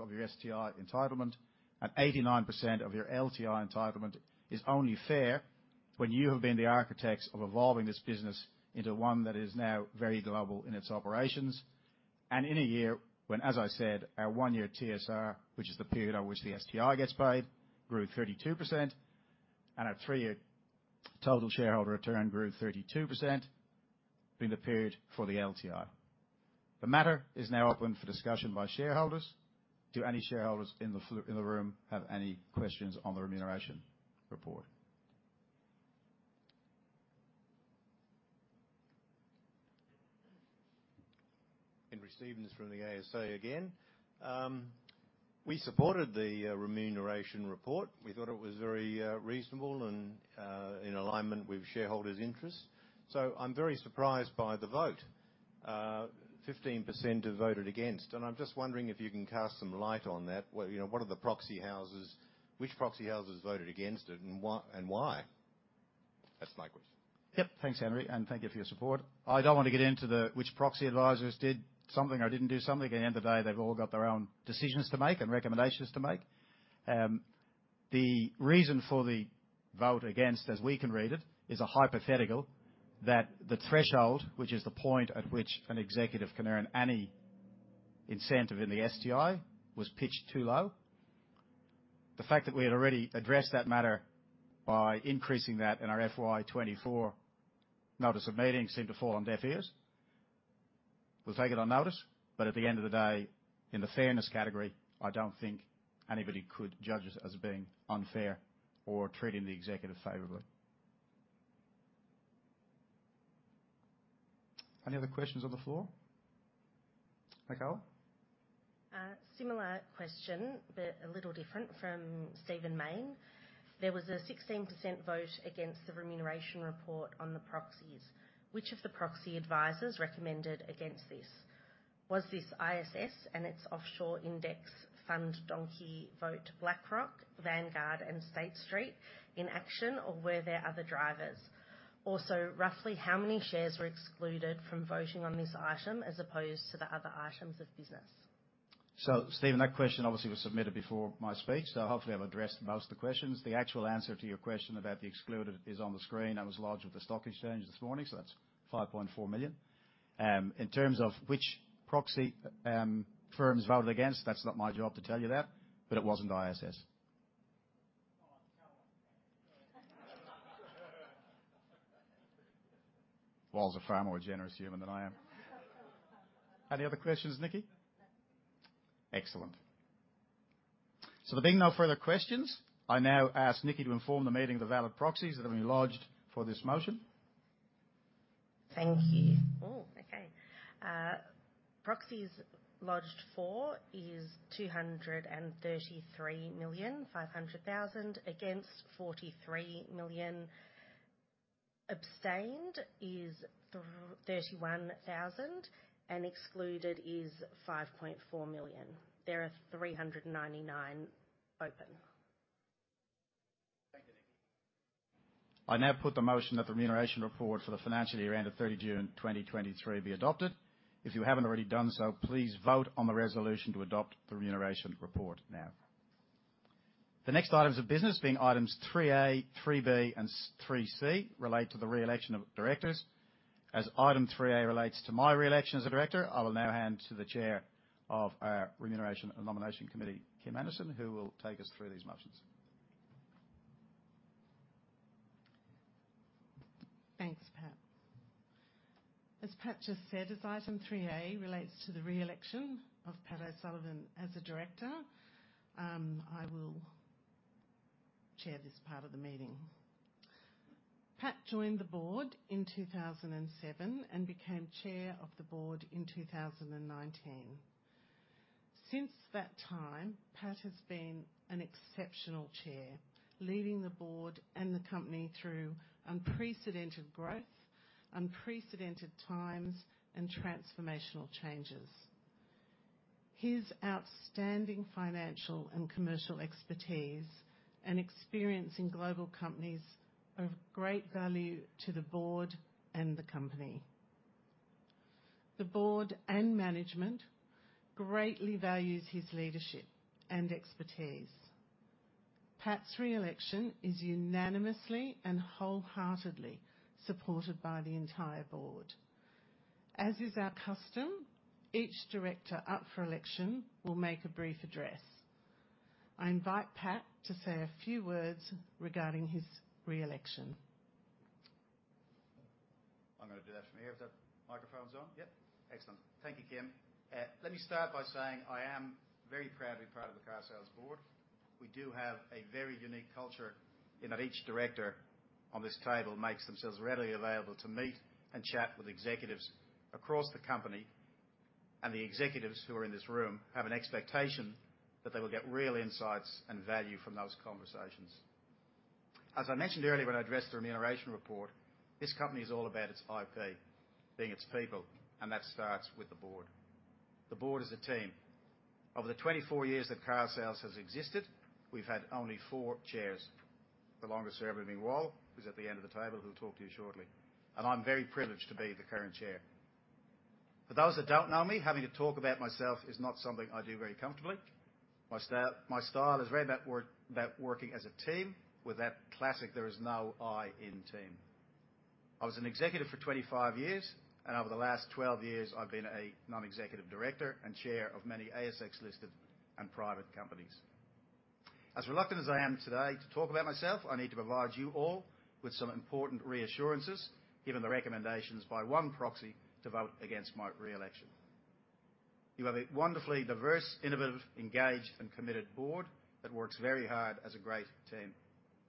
of your STI entitlement and 89% of your LTI entitlement is only fair when you have been the architects of evolving this business into one that is now very global in its operations. In a year when, as I said, our one-year TSR, which is the period at which the STI gets paid, grew 32%, and our three-year total shareholder return grew 32% in the period for the LTI. The matter is now open for discussion by shareholders. Do any shareholders in the room have any questions on the remuneration report? Henry Stephens from the ASA again. We supported the remuneration report. We thought it was very reasonable and in alignment with shareholders' interests. So I'm very surprised by the vote. 15% have voted against, and I'm just wondering if you can cast some light on that, where, you know, what are the proxy houses? Which proxy houses voted against it, and why? That's my question. Yep. Thanks, Henry, and thank you for your support. I don't want to get into the, which proxy advisors did something or didn't do something. At the end of the day, they've all got their own decisions to make and recommendations to make. The reason for the vote against, as we can read it, is a hypothetical, that the threshold, which is the point at which an executive can earn any incentive in the STI, was pitched too low. The fact that we had already addressed that matter by increasing that in our FY 2024 notice of meeting seemed to fall on deaf ears. We'll take it on notice, but at the end of the day, in the fairness category, I don't think anybody could judge us as being unfair or treating the executive favorably. Any other questions on the floor? Michaela? Similar question, but a little different from Stephen Mayne. There was a 16% vote against the remuneration report on the proxies. Which of the proxy advisors recommended against this? Was this ISS and its offshore index fund donkey vote BlackRock, Vanguard, and State Street in action, or were there other drivers? Also, roughly how many shares were excluded from voting on this item as opposed to the other items of business? So, Stephen, that question obviously was submitted before my speech, so hopefully I've addressed most of the questions. The actual answer to your question about the excluded is on the screen, and was lodged with the stock exchange this morning. So that's 5.4 million. In terms of which proxy firms voted against, that's not my job to tell you that, but it wasn't ISS. Oh, tell them. Wal's a far more generous human than I am. Any other questions, Nikki? No. Excellent. So there being no further questions, I now ask Nikki to inform the meeting of the valid proxies that have been lodged for this motion. Thank you. Oh, okay. Proxies lodged for is 233,500,000. Against, 43,000,000. Abstained is 31,000, and excluded is 5.4 million. There are 399 open. Thank you, Nikki. I now put the motion that the remuneration report for the financial year end of 30 June 2023 be adopted. If you haven't already done so, please vote on the resolution to adopt the remuneration report now. The next items of business being items 3A, 3B, and 3C relate to the re-election of directors. As item 3A relates to my re-election as a director, I will now hand to the Chair of our Remuneration and Nomination Committee, Kim Anderson, who will take us through these motions. Thanks, Pat. As Pat just said, as item three A relates to the re-election of Pat O'Sullivan as a director, I will chair this part of the meeting. Pat joined the board in 2007 and became Chair of the board in 2019. Since that time, Pat has been an exceptional chair, leading the board and the company through unprecedented growth, unprecedented times, and transformational changes. His outstanding financial and commercial expertise and experience in global companies are of great value to the board and the company. The board and management greatly values his leadership and expertise. Pat's re-election is unanimously and wholeheartedly supported by the entire board. As is our custom, each director up for election will make a brief address. I invite Pat to say a few words regarding his re-election. I'm gonna do that from here. If that microphone's on? Yep. Excellent. Thank you, Kim. Let me start by saying I am very proudly part of the Carsales board. We do have a very unique culture in that each director on this table makes themselves readily available to meet and chat with executives across the company, and the executives who are in this room have an expectation that they will get real insights and value from those conversations. As I mentioned earlier when I addressed the remuneration report, this company is all about its IP, being its people, and that starts with the board. The board is a team. Over the 24 years that Carsales has existed, we've had only four chairs. The longest serving being Wal, who's at the end of the table, who'll talk to you shortly. I'm very privileged to be the current chair. For those that don't know me, having to talk about myself is not something I do very comfortably. My style is very about working as a team with that classic, "There is no I in team." I was an executive for 25 years, and over the last 12 years, I've been a non-executive director and chair of many ASX-listed and private companies. As reluctant as I am today to talk about myself, I need to provide you all with some important reassurances, given the recommendations by one proxy to vote against my re-election. You have a wonderfully diverse, innovative, engaged and committed board that works very hard as a great team.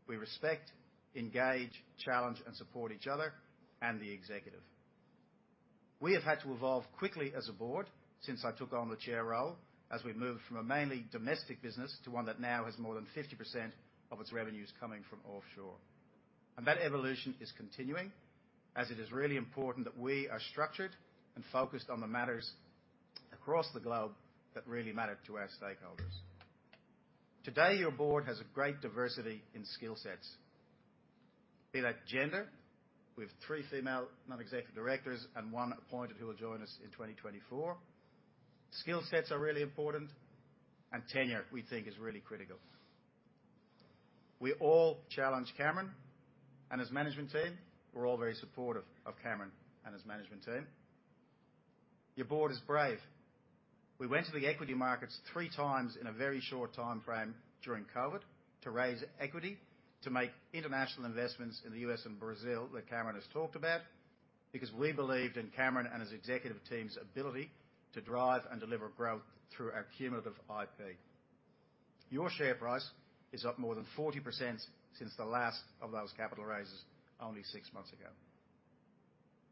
We respect, engage, challenge, and support each other and the executive. We have had to evolve quickly as a board since I took on the chair role, as we moved from a mainly domestic business to one that now has more than 50% of its revenues coming from offshore. That evolution is continuing, as it is really important that we are structured and focused on the matters across the globe that really matter to our stakeholders. Today, your board has a great diversity in skill sets. Be that gender, with three female non-executive directors and one appointed, who will join us in 2024. Skill sets are really important, and tenure, we think, is really critical. We all challenge Cameron and his management team. We're all very supportive of Cameron and his management team. Your board is brave. We went to the equity markets three times in a very short timeframe during COVID to raise equity, to make international investments in the U.S. and Brazil that Cameron has talked about, because we believed in Cameron and his executive team's ability to drive and deliver growth through our cumulative IP. Your share price is up more than 40% since the last of those capital raises only six months ago.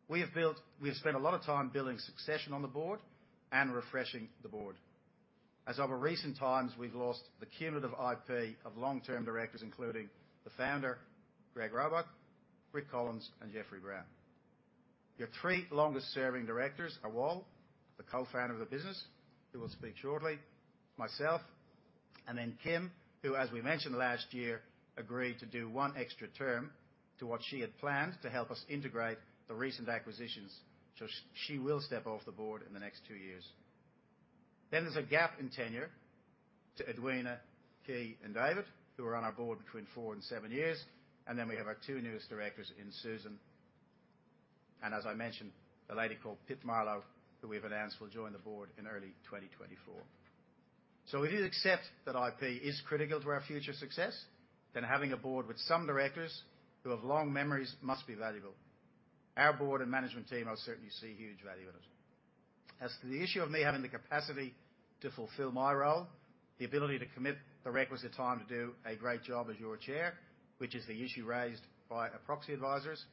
We have built—we've spent a lot of time building succession on the board and refreshing the board as over recent times, we've lost the cumulative IP of long-term directors, including the founder, Greg Roebuck, Rick Collins, and Jeffrey Browne. Your three longest serving directors are Wal, the co-founder of the business, who will speak shortly, myself, and then Kim, who, as we mentioned last year, agreed to do one extra term to what she had planned to help us integrate the recent acquisitions. So she will step off the board in the next two years. Then there's a gap in tenure to Edwina, Kee, and David, who are on our board between four and seven years. And then we have our two newest directors in Susan, and as I mentioned, a lady called Pip Marlow, who we've announced will join the board in early 2024. So if you accept that IP is critical to our future success, then having a board with some directors who have long memories must be valuable. Our board and management team certainly see huge value in it. As to the issue of me having the capacity to fulfill my role, the ability to commit the requisite time to do a great job as your chair, which is the issue raised by our proxy advisors,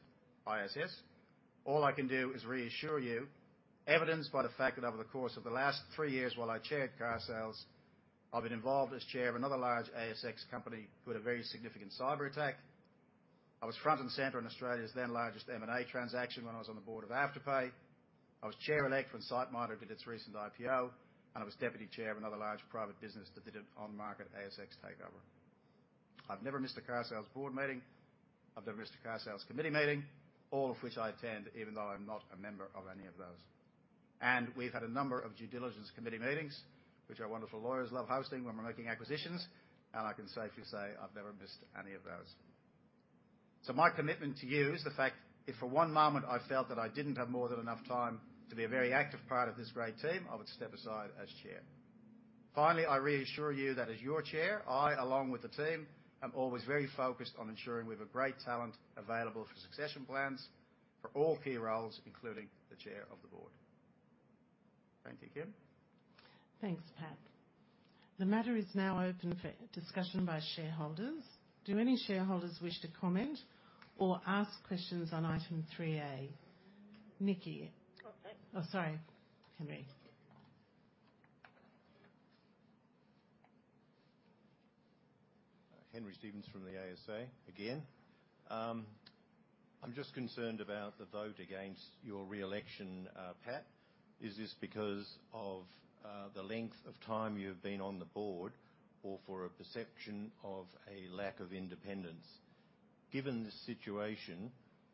ISS. All I can do is reassure you, evidenced by the fact that over the course of the last three years, while I chaired Carsales, I've been involved as chair of another large ASX company who had a very significant cyberattack. I was front and center in Australia's then-largest M&A transaction when I was on the board of Afterpay. I was chair-elect when SiteMinder did its recent IPO, and I was deputy chair of another large private business that did an on-market ASX takeover. I've never missed a Carsales board meeting. I've never missed a Carsales committee meeting, all of which I attend, even though I'm not a member of any of those. And we've had a number of due diligence committee meetings, which our wonderful lawyers love hosting when we're making acquisitions, and I can safely say I've never missed any of those. So my commitment to you is the fact, if for one moment I felt that I didn't have more than enough time to be a very active part of this great team, I would step aside as Chair. Finally, I reassure you that as your Chair, I, along with the team, am always very focused on ensuring we have a great talent available for succession plans for all key roles, including the Chair of the Board. Thank you, Kim. Thanks, Pat. The matter is now open for discussion by shareholders. Do any shareholders wish to comment or ask questions on item 3-A? Nikki. Okay. Oh, sorry, Henry. Henry Stephens from the ASA, again. I'm just concerned about the vote against your re-election, Pat. Is this because of the length of time you've been on the board, or for a perception of a lack of independence? Given this situation,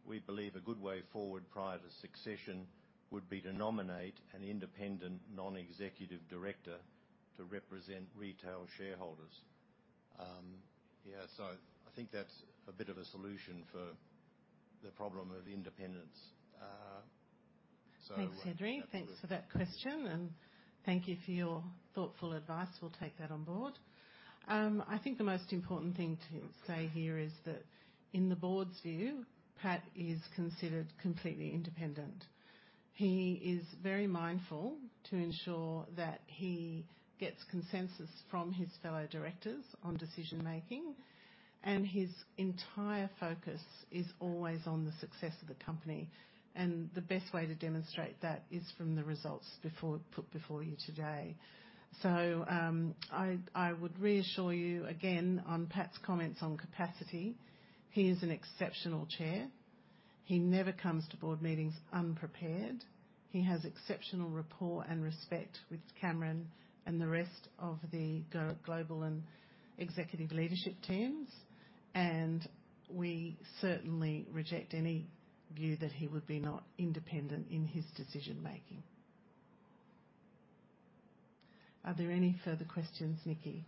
we believe a good way forward prior to succession would be to nominate an independent, non-executive director to represent retail shareholders. Yeah, so I think that's a bit of a solution for the problem of independence. Thanks, Henry. Thanks for that question, and thank you for your thoughtful advice. We'll take that on board. I think the most important thing to say here is that in the board's view, Pat is considered completely independent. He is very mindful to ensure that he gets consensus from his fellow directors on decision-making, and his entire focus is always on the success of the company, and the best way to demonstrate that is from the results put before you today. I would reassure you again on Pat's comments on capacity. He is an exceptional chair. He never comes to board meetings unprepared. He has exceptional rapport and respect with Cameron and the rest of the global and executive leadership teams, and we certainly reject any view that he would be not independent in his decision-making. Are there any further questions, Nikki?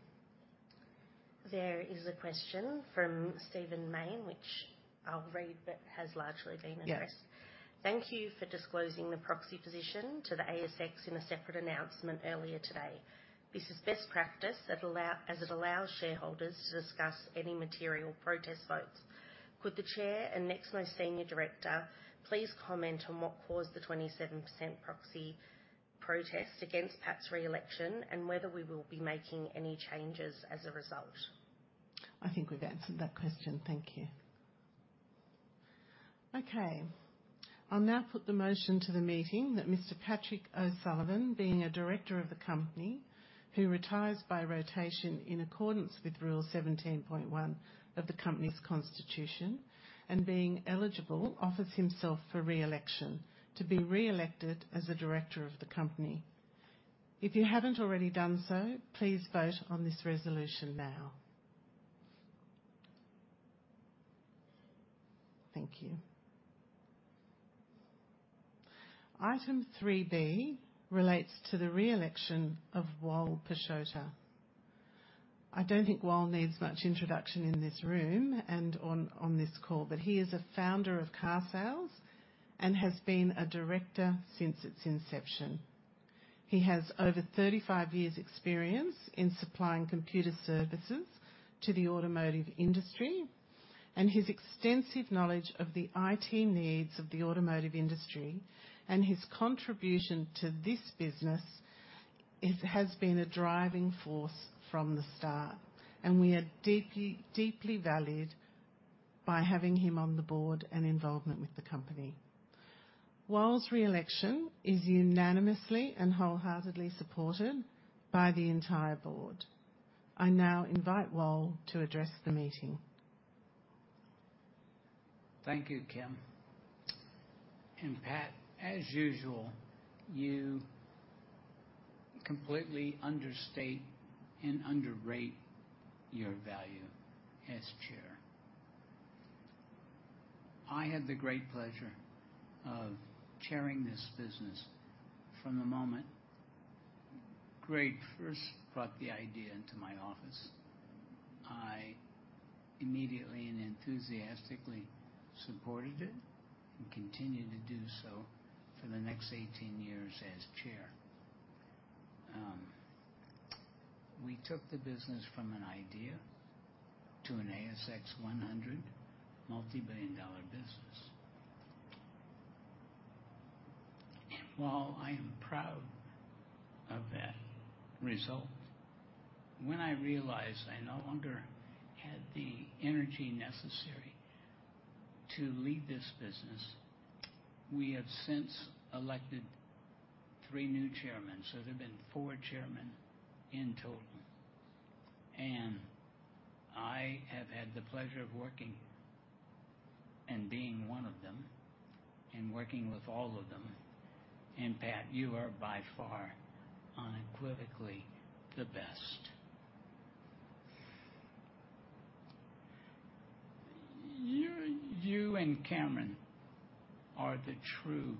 There is a question from Stephen Mayne, which I'll read, but has largely been addressed. Yes. Thank you for disclosing the proxy position to the ASX in a separate announcement earlier today. This is best practice as it allows shareholders to discuss any material protest votes. Could the chair and next most senior director please comment on what caused the 27% proxy protest against Pat's re-election and whether we will be making any changes as a result? I think we've answered that question. Thank you. Okay, I'll now put the motion to the meeting that Mr. Patrick O'Sullivan, being a director of the company, who retires by rotation in accordance with Rule 17.1 of the company's constitution, and being eligible, offers himself for re-election to be re-elected as a director of the company. If you haven't already done so, please vote on this resolution now. Thank you. Item 3B relates to the re-election of Wal Pisciotta. I don't think Wal needs much introduction in this room and on, on this call, but he is a founder of Carsales and has been a director since its inception. He has over 35 years experience in supplying computer services to the automotive industry, and his extensive knowledge of the IT needs of the automotive industry and his contribution to this business has been a driving force from the start, and we are deeply, deeply valued by having him on the board and involvement with the company. Wal's reelection is unanimously and wholeheartedly supported by the entire board. I now invite Wal to address the meeting. Thank you, Kim. And Pat, as usual, you completely understate and underrate your value as chair. I had the great pleasure of chairing this business from the moment Greg first brought the idea into my office. I immediately and enthusiastically supported it and continued to do so for the next 18 years as chair. We took the business from an idea to an ASX 100 multibillion-dollar business. And while I am proud of that result, when I realized I no longer had the energy necessary to lead this business, we have since elected 3 new chairmen, so there have been 4 chairmen in total. And I have had the pleasure of working and being one of them and working with all of them. And Pat, you are by far, unequivocally, the best. You, you and Cameron are the true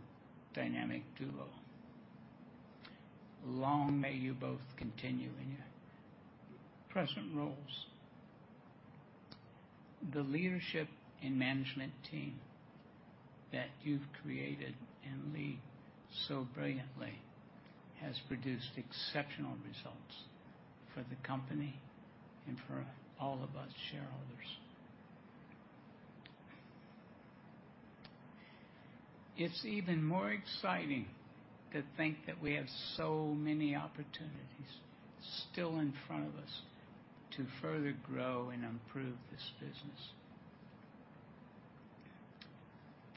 dynamic duo. Long may you both continue in your present roles. The leadership and management team that you've created and lead so brilliantly has produced exceptional results for the company and for all of us shareholders. It's even more exciting to think that we have so many opportunities still in front of us to further grow and improve this business.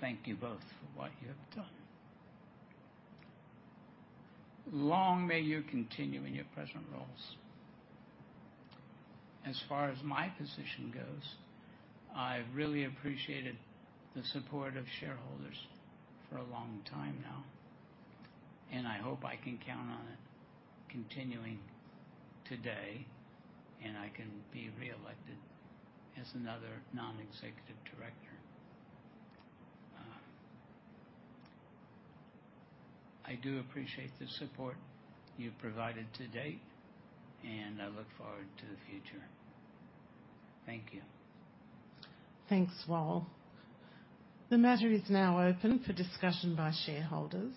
Thank you both for what you have done. Long may you continue in your present roles. As far as my position goes, I've really appreciated the support of shareholders for a long time now, and I hope I can count on it continuing today, and I can be reelected as another non-executive director. I do appreciate the support you've provided to date, and I look forward to the future. Thank you. Thanks, Wal. The matter is now open for discussion by shareholders.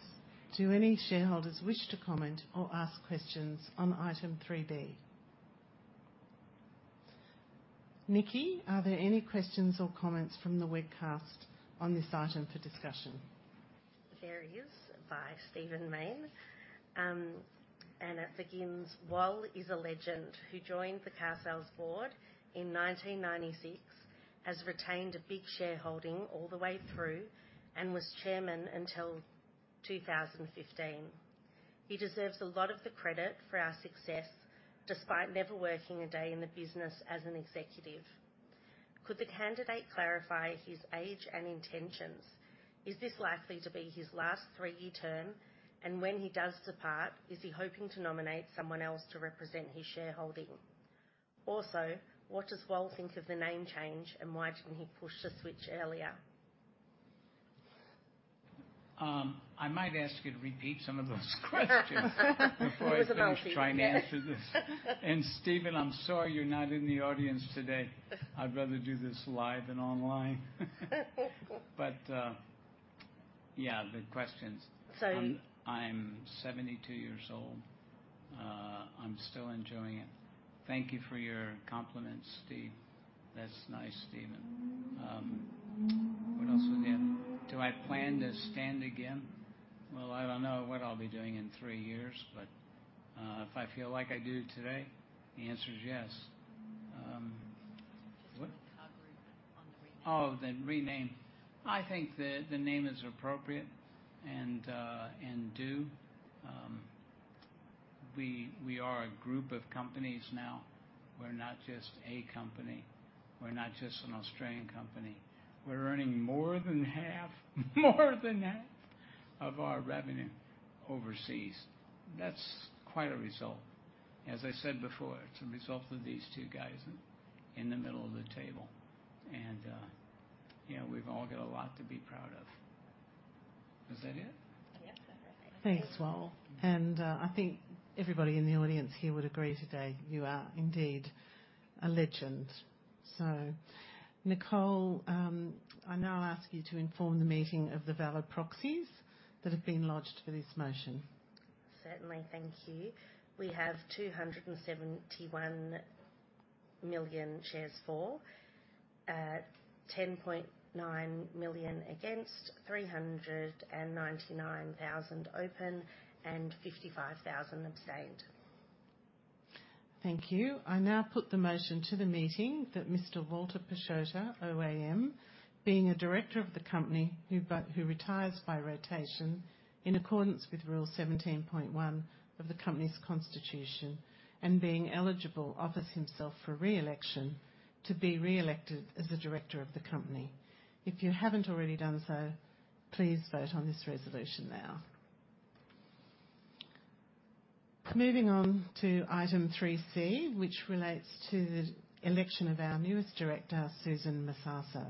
Do any shareholders wish to comment or ask questions on item three B? Nicole, are there any questions or comments from the webcast on this item for discussion? There is by Stephen Mayne. And it begins: Wal is a legend who joined the Carsales board in 1996, has retained a big shareholding all the way through, and was chairman until 2015. He deserves a lot of the credit for our success, despite never working a day in the business as an executive. Could the candidate clarify his age and intentions? Is this likely to be his last three-year term? And when he does depart, is he hoping to nominate someone else to represent his shareholding? Also, what does Wal think of the name change, and why didn't he push the switch earlier? I might ask you to repeat some of those questions before I finish trying to answer this. And Stephen, I'm sorry, you're not in the audience today. I'd rather do this live than online. But, yeah, the questions. So- I'm 72 years old. I'm still enjoying it. Thank you for your compliments, Steve. That's nice, Stephen. What else we have? Do I plan to stand again? Well, I don't know what I'll be doing in 3 years, but, if I feel like I do today, the answer is yes. What? Agreement on the rename. Oh, the rename. I think the name is appropriate and due. We are a group of companies now. We're not just a company. We're not just an Australian company. We're earning more than half of our revenue overseas. That's quite a result. As I said before, it's a result of these two guys in the middle of the table. Yeah, we've all got a lot to be proud of. Is that it? Yes, that's it. Thanks, Wal. And, I think everybody in the audience here would agree today, you are indeed a legend. So, Nicole, I now ask you to inform the meeting of the valid proxies that have been lodged for this motion. Certainly. Thank you. We have 271 million shares for, 10.9 million against, 399,000 open, and 55,000 abstained.... Thank you. I now put the motion to the meeting that Mr. Walter Pisciotta OAM, being a director of the company, who retires by rotation in accordance with Rule 17.1 of the company's constitution, and being eligible, offers himself for re-election to be re-elected as a director of the company. If you haven't already done so, please vote on this resolution now. Moving on to item 3C, which relates to the election of our newest director, Susan Massasso.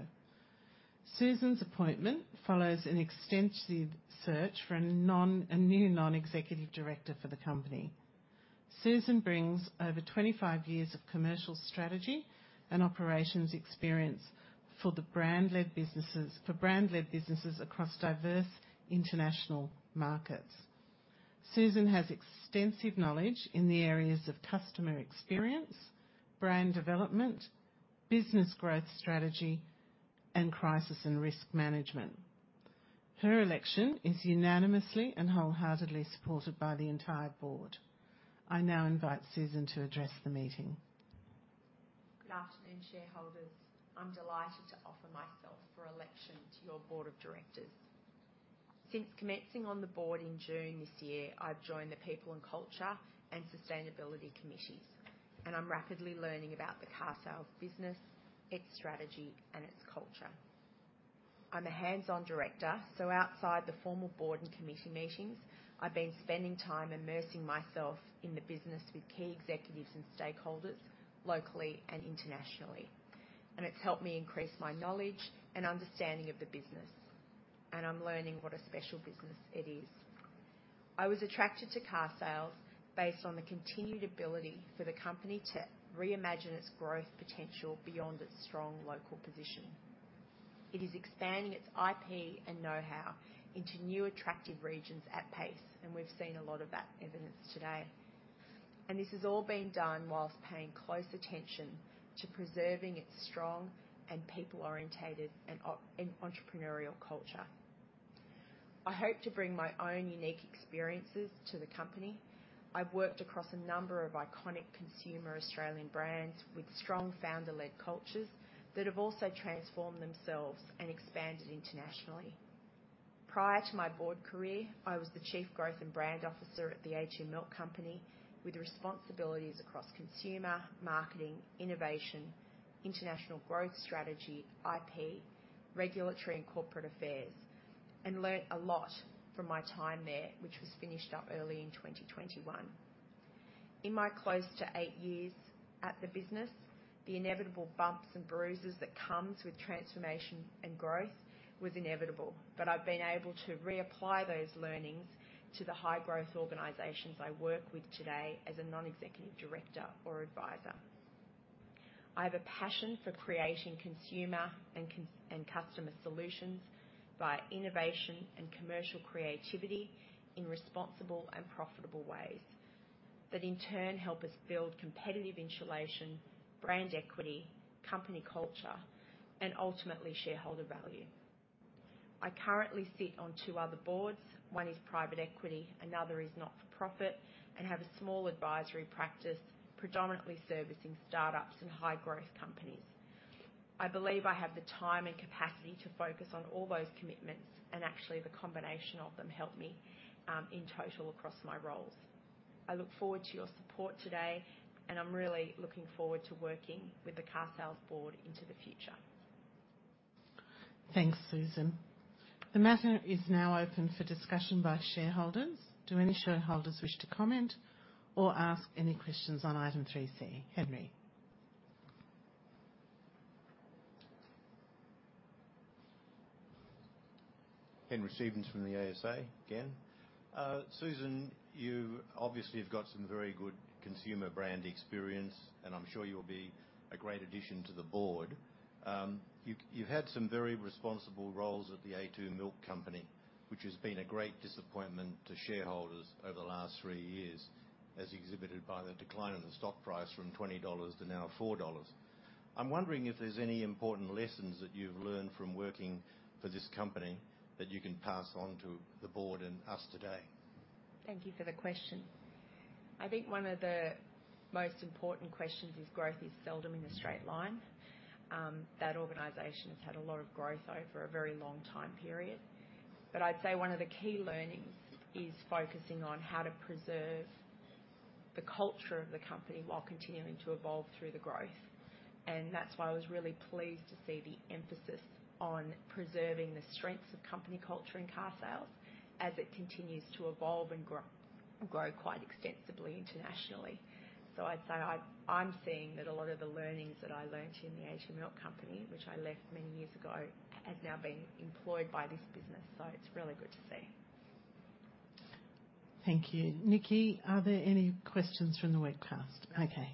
Susan's appointment follows an extensive search for a new non-executive director for the company. Susan brings over 25 years of commercial strategy and operations experience for the brand-led businesses, for brand-led businesses across diverse international markets. Susan has extensive knowledge in the areas of customer experience, brand development, business growth strategy, and crisis and risk management. Her election is unanimously and wholeheartedly supported by the entire board. I now invite Susan to address the meeting. Good afternoon, shareholders. I'm delighted to offer myself for election to your board of directors. Since commencing on the board in June this year, I've joined the People and Culture and Sustainability Committees, and I'm rapidly learning about the carsales business, its strategy, and its culture. I'm a hands-on director, so outside the formal board and committee meetings, I've been spending time immersing myself in the business with key executives and stakeholders, locally and internationally, and it's helped me increase my knowledge and understanding of the business, and I'm learning what a special business it is. I was attracted to carsales based on the continued ability for the company to reimagine its growth potential beyond its strong local position. It is expanding its IP and know-how into new, attractive regions at pace, and we've seen a lot of that evidence today. This is all being done while paying close attention to preserving its strong and people-orientated and entrepreneurial culture. I hope to bring my own unique experiences to the company. I've worked across a number of iconic consumer Australian brands with strong founder-led cultures that have also transformed themselves and expanded internationally. Prior to my board career, I was the Chief Growth and Brand Officer at the a2 Milk Company, with responsibilities across consumer, marketing, innovation, international growth strategy, IP, regulatory, and corporate affairs, and learned a lot from my time there, which was finished up early in 2021. In my close to eight years at the business, the inevitable bumps and bruises that comes with transformation and growth was inevitable, but I've been able to reapply those learnings to the high-growth organizations I work with today as a Non-Executive Director or advisor. I have a passion for creating consumer and customer solutions by innovation and commercial creativity in responsible and profitable ways that in turn help us build competitive insulation, brand equity, company culture, and ultimately, shareholder value. I currently sit on two other boards. One is private equity, another is not-for-profit, and have a small advisory practice, predominantly servicing startups and high-growth companies. I believe I have the time and capacity to focus on all those commitments, and actually, the combination of them help me in total across my roles. I look forward to your support today, and I'm really looking forward to working with the carsales board into the future. Thanks, Susan. The matter is now open for discussion by shareholders. Do any shareholders wish to comment or ask any questions on item three C? Henry. Henry Stephens from the ASA, again. Susan, you obviously have got some very good consumer brand experience, and I'm sure you'll be a great addition to the board. You've had some very responsible roles at the a2 Milk Company, which has been a great disappointment to shareholders over the last three years, as exhibited by the decline in the stock price from 20 dollars to now 4 dollars. I'm wondering if there's any important lessons that you've learned from working for this company that you can pass on to the board and us today? Thank you for the question. I think one of the most important questions is, growth is seldom in a straight line. That organization has had a lot of growth over a very long time period. But I'd say one of the key learnings is focusing on how to preserve the culture of the company while continuing to evolve through the growth. And that's why I was really pleased to see the emphasis on preserving the strengths of company culture in carsales as it continues to evolve and grow quite extensively internationally. So I'd say I, I'm seeing that a lot of the learnings that I learnt in the a2 Milk Company, which I left many years ago, have now been employed by this business. So it's really good to see. Thank you. Nikki, are there any questions from the webcast? Okay.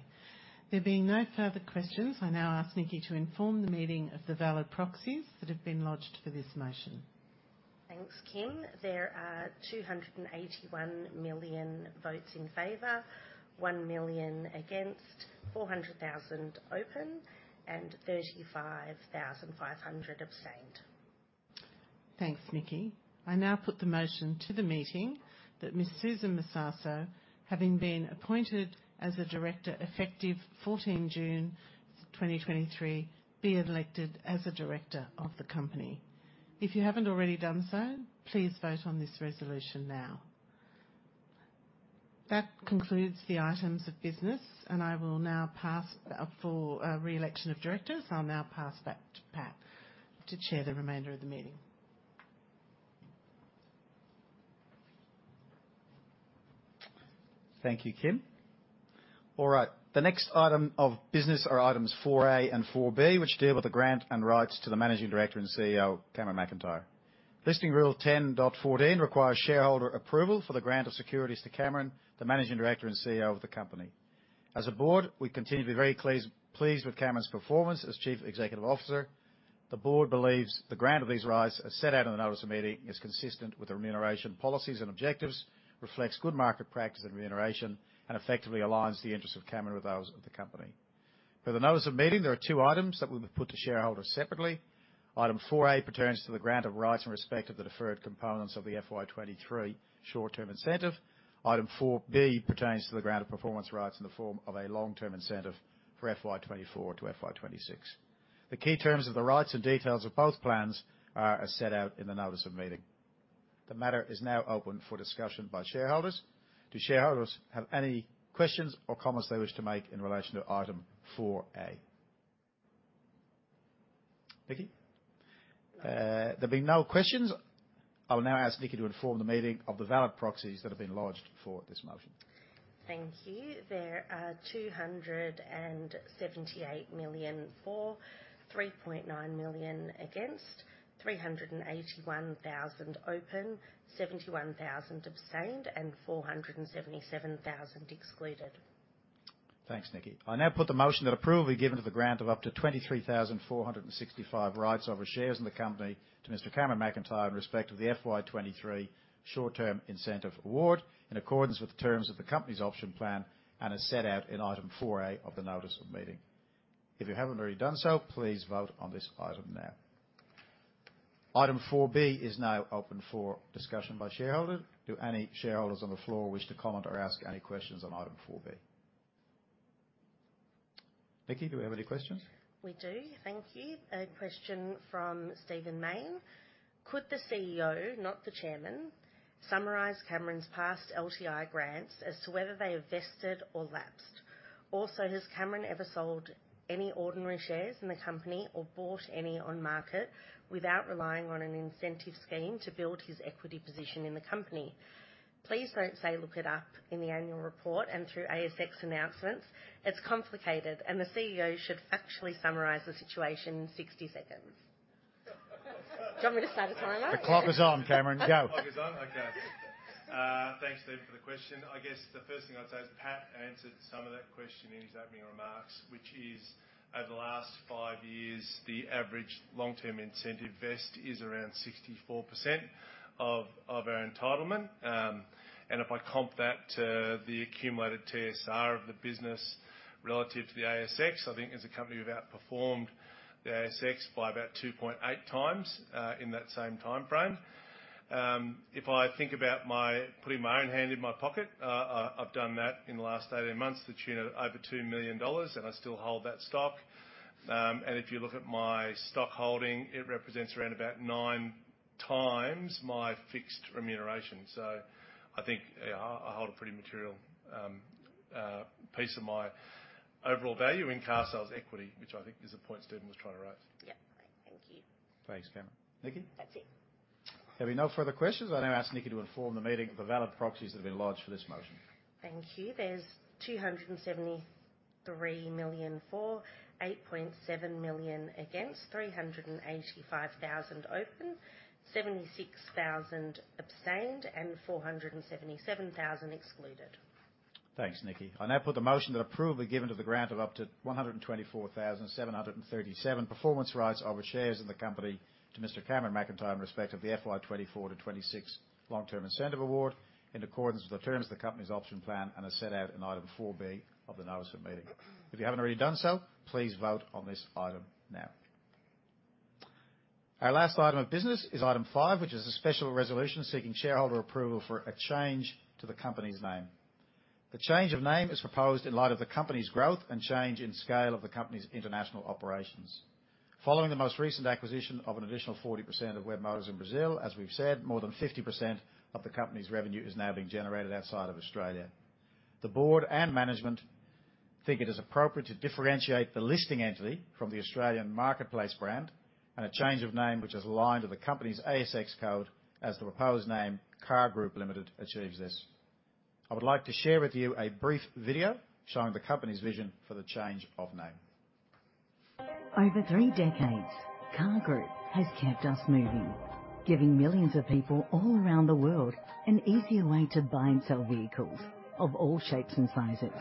There being no further questions, I now ask Nikki to inform the meeting of the valid proxies that have been lodged for this motion. Thanks, Kim. There are 281 million votes in favor, 1 million against, 400,000 open, and 35,500 abstained.... Thanks, Nikki. I now put the motion to the meeting that Ms. Susan Massasso, having been appointed as a director effective 14 June 2023, be elected as a director of the company. If you haven't already done so, please vote on this resolution now. That concludes the items of business, and I will now pass for re-election of directors. I'll now pass back to Pat to chair the remainder of the meeting. Thank you, Kim. All right. The next item of business are items 4A and 4B, which deal with the grant and rights to the Managing Director and CEO, Cameron McIntyre. Listing Rule 10.14 requires shareholder approval for the grant of securities to Cameron, the Managing Director and CEO of the company. As a board, we continue to be very pleased with Cameron's performance as Chief Executive Officer. The board believes the grant of these rights, as set out in the notice of meeting, is consistent with the remuneration policies and objectives, reflects good market practice and remuneration, and effectively aligns the interests of Cameron with those of the company. For the notice of meeting, there are two items that we would put to shareholders separately. Item 4A pertains to the grant of rights in respect of the deferred components of the FY 2023 short-term incentive. Item 4B pertains to the grant of performance rights in the form of a long-term incentive for FY 2024 to FY 2026. The key terms of the rights and details of both plans are as set out in the notice of meeting. The matter is now open for discussion by shareholders. Do shareholders have any questions or comments they wish to make in relation to item 4A? Nikki? There being no questions, I will now ask Nikki to inform the meeting of the valid proxies that have been lodged for this motion. Thank you. There are 278 million for, 3.9 million against, 381,000 open, 71,000 abstained, and 477,000 excluded. Thanks, Nikki. I now put the motion that approval be given to the grant of up to 23,465 rights over shares in the company to Mr. Cameron McIntyre in respect of the FY 2023 short-term incentive award, in accordance with the terms of the company's option plan and as set out in item 4A of the notice of meeting. If you haven't already done so, please vote on this item now. Item 4B is now open for discussion by shareholders. Do any shareholders on the floor wish to comment or ask any questions on item 4B? Nikki, do we have any questions? We do. Thank you. A question from Stephen Mayne: Could the CEO, not the chairman, summarize Cameron's past LTI grants as to whether they have vested or lapsed? Also, has Cameron ever sold any ordinary shares in the company or bought any on market without relying on an incentive scheme to build his equity position in the company? Please don't say, "Look it up in the annual report and through ASX announcements." It's complicated, and the CEO should factually summarize the situation in 60 seconds. Do you want me to start a timer? The clock is on, Cameron. Go. The clock is on? Okay. Thanks, Steve, for the question. I guess the first thing I'd say is Pat answered some of that question in his opening remarks, which is over the last five years, the average long-term incentive vest is around 64% of, of our entitlement. And if I compare that to the accumulated TSR of the business relative to the ASX, I think as a company, we've outperformed the ASX by about 2.8 times in that same timeframe. If I think about my—putting my own hand in my pocket, I, I've done that in the last 18 months to the tune of over 2 million dollars, and I still hold that stock. And if you look at my stock holding, it represents around about nine times my fixed remuneration. So I think, yeah, I hold a pretty material piece of my overall value in Carsales equity, which I think is the point Stephen was trying to raise. Yeah. Thank you. Thanks, Cameron. Nikki? That's it. There being no further questions. I now ask Nikki to inform the meeting of the valid proxies that have been lodged for this motion. Thank you. There's 273 million for, 8.7 million against, 385,000 open, 76,000 abstained, and 477,000 excluded. Thanks, Nikki. I now put the motion that approval be given to the grant of up to 124,737 performance rights over shares in the company to Mr. Cameron McIntyre in respect of the FY 2024 to 2026 long-term incentive award, in accordance with the terms of the company's option plan and as set out in item 4B of the notice of meeting. If you haven't already done so, please vote on this item now. Our last item of business is item 5, which is a special resolution seeking shareholder approval for a change to the company's name. The change of name is proposed in light of the company's growth and change in scale of the company's international operations. Following the most recent acquisition of an additional 40% of Webmotors in Brazil, as we've said, more than 50% of the company's revenue is now being generated outside of Australia. The board and management think it is appropriate to differentiate the listing entity from the Australian marketplace brand and a change of name which is aligned to the company's ASX code as the proposed name, CAR Group Limited, achieves this. I would like to share with you a brief video showing the company's vision for the change of name. Over three decades, CAR Group has kept us moving, giving millions of people all around the world an easier way to buy and sell vehicles of all shapes and sizes.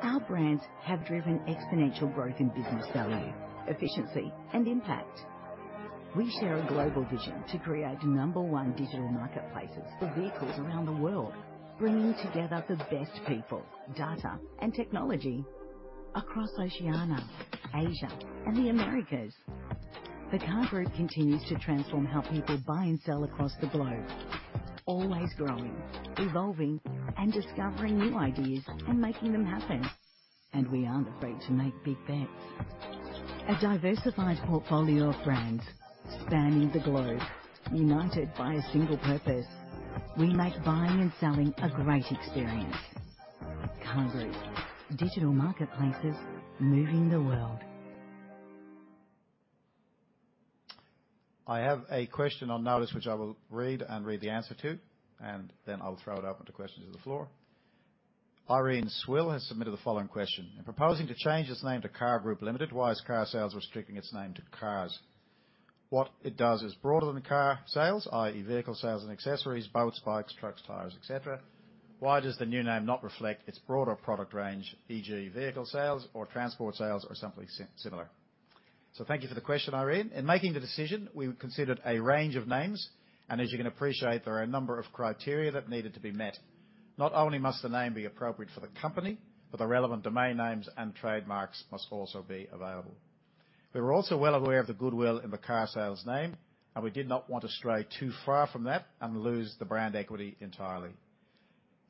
Our brands have driven exponential growth in business value, efficiency, and impact. We share a global vision to create number one digital marketplaces for vehicles around the world, bringing together the best people, data, and technology... across Oceania, Asia, and the Americas. The CAR Group continues to transform how people buy and sell across the globe, always growing, evolving, and discovering new ideas and making them happen. We aren't afraid to make big bets. A diversified portfolio of brands spanning the globe, united by a single purpose. We make buying and selling a great experience. CAR Group: digital marketplaces moving the world. I have a question on notice, which I will read and read the answer to, and then I'll throw it open to questions on the floor. Irene Sewell has submitted the following question: "In proposing to change its name to CAR Group Limited, why is Carsales restricting its name to cars? What it does is broader than car sales, i.e., vehicle sales and accessories, boats, bikes, trucks, tires, et cetera. Why does the new name not reflect its broader product range, e.g., vehicle sales or transport sales or something similar?" So thank you for the question, Irene. In making the decision, we considered a range of names, and as you can appreciate, there are a number of criteria that needed to be met. Not only must the name be appropriate for the company, but the relevant domain names and trademarks must also be available. We were also well aware of the goodwill in the Carsales name, and we did not want to stray too far from that and lose the brand equity entirely.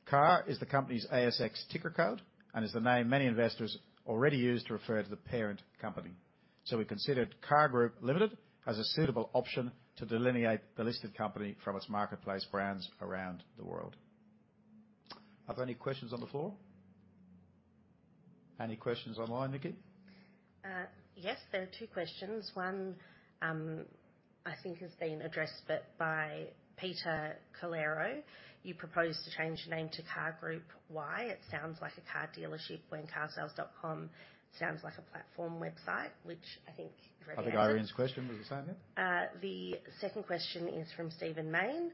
CAR is the company's ASX ticker code and is the name many investors already use to refer to the parent company. So we considered CAR Group Limited as a suitable option to delineate the listed company from its marketplace brands around the world. Are there any questions on the floor? Any questions online, Nikki? Yes, there are two questions. One, I think has been addressed, but by Peter Calero. "You propose to change the name to CAR Group. Why? It sounds like a car dealership when carsales.com sounds like a platform website," which I think- I think Irene's question was the same thing. The second question is from Stephen Mayne.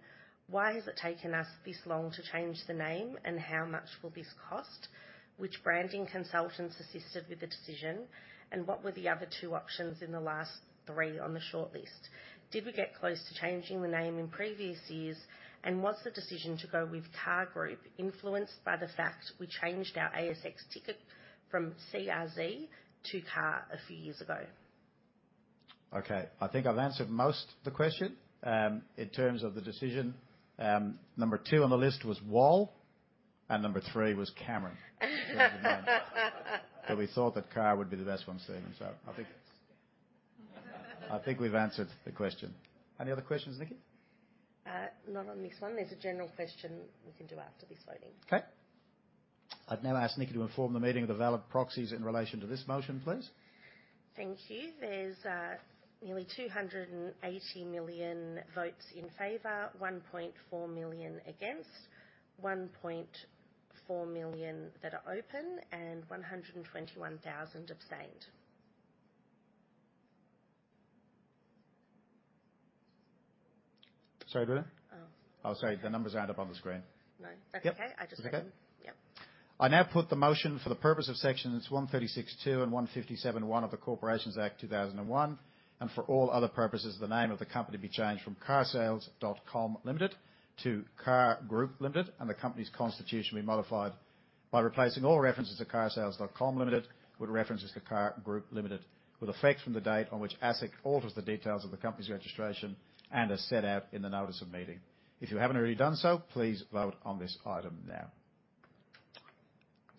"Why has it taken us this long to change the name, and how much will this cost? Which branding consultants assisted with the decision, and what were the other two options in the last three on the shortlist? Did we get close to changing the name in previous years, and was the decision to go with CAR Group influenced by the fact we changed our ASX ticker from CRZ to CAR a few years ago? Okay, I think I've answered most of the question. In terms of the decision, number 2 on the list was Wal, and number 3 was Cameron. But we thought that CAR would be the best one, Steven. So I think, I think we've answered the question. Any other questions, Nikki? Not on this one. There's a general question we can do after this voting. Okay. I'd now ask Nikki to inform the meeting of the valid proxies in relation to this motion, please. Thank you. There's nearly 280 million votes in favor, 1.4 million against, 1.4 million that are open, and 121,000 abstained. Sorry, what? Oh. Oh, sorry, the numbers aren't up on the screen. No. Yep. That's okay. I just- Okay. Yep. I now put the motion for the purpose of sections 136(2) and 157(1) of the Corporations Act 2001, and for all other purposes, the name of the company be changed from carsales.com Limited to CAR Group Limited, and the company's constitution be modified by replacing all references to carsales.com Limited with references to CAR Group Limited, with effect from the date on which ASIC alters the details of the company's registration and as set out in the notice of meeting. If you haven't already done so, please vote on this item now.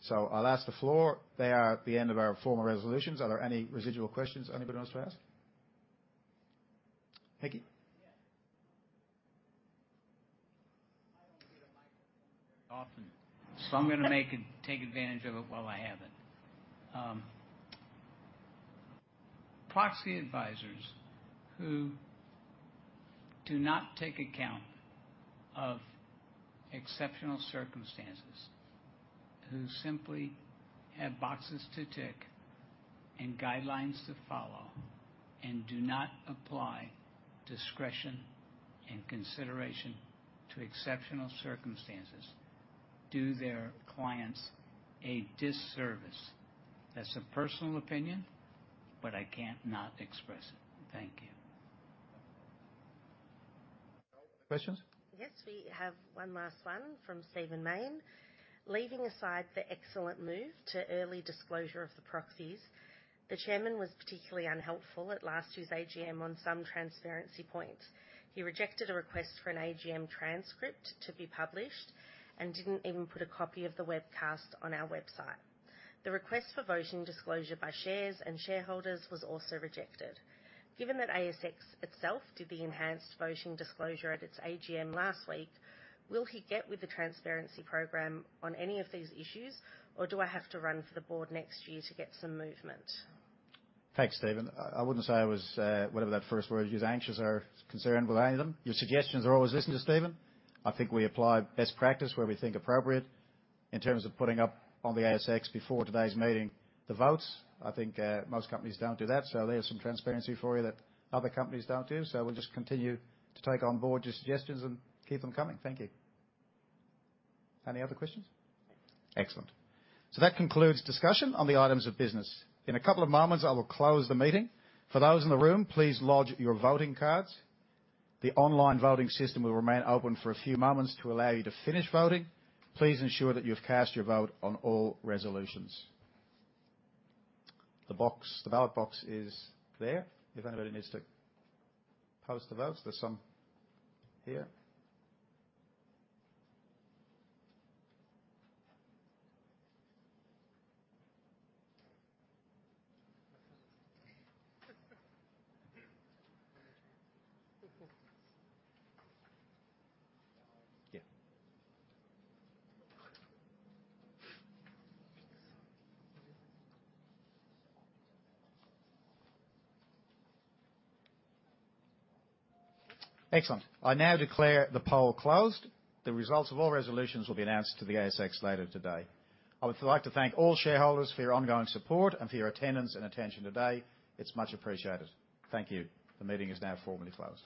So I'll ask the floor. They are at the end of our formal resolutions. Are there any residual questions anybody wants to ask? Nikki? Yes. I don't get a microphone very often, so I'm gonna take advantage of it while I have it. Proxy advisors who do not take account of exceptional circumstances, who simply have boxes to tick and guidelines to follow and do not apply discretion and consideration to exceptional circumstances, do their clients a disservice. That's a personal opinion, but I can't not express it. Thank you. Questions? Yes, we have one last one from Stephen Mayne. "Leaving aside the excellent move to early disclosure of the proxies, the chairman was particularly unhelpful at last year's AGM on some transparency points. He rejected a request for an AGM transcript to be published and didn't even put a copy of the webcast on our website. The request for voting disclosure by shares and shareholders was also rejected. Given that ASX itself did the enhanced voting disclosure at its AGM last week, will he get with the transparency program on any of these issues, or do I have to run for the board next year to get some movement? Thanks, Steven. I wouldn't say I was, whatever that first word you use, anxious or concerned about any of them. Your suggestions are always listened to, Steven. I think we apply best practice where we think appropriate in terms of putting up on the ASX before today's meeting, the votes. I think, most companies don't do that, so there's some transparency for you that other companies don't do. So we'll just continue to take on board your suggestions and keep them coming. Thank you. Any other questions? Excellent. So that concludes discussion on the items of business. In a couple of moments, I will close the meeting. For those in the room, please lodge your voting cards. The online voting system will remain open for a few moments to allow you to finish voting. Please ensure that you've cast your vote on all resolutions. The ballot box is there. If anybody needs to post the votes, there's some here. Excellent. I now declare the poll closed. The results of all resolutions will be announced to the ASX later today. I would like to thank all shareholders for your ongoing support and for your attendance and attention today. It's much appreciated. Thank you. The meeting is now formally closed.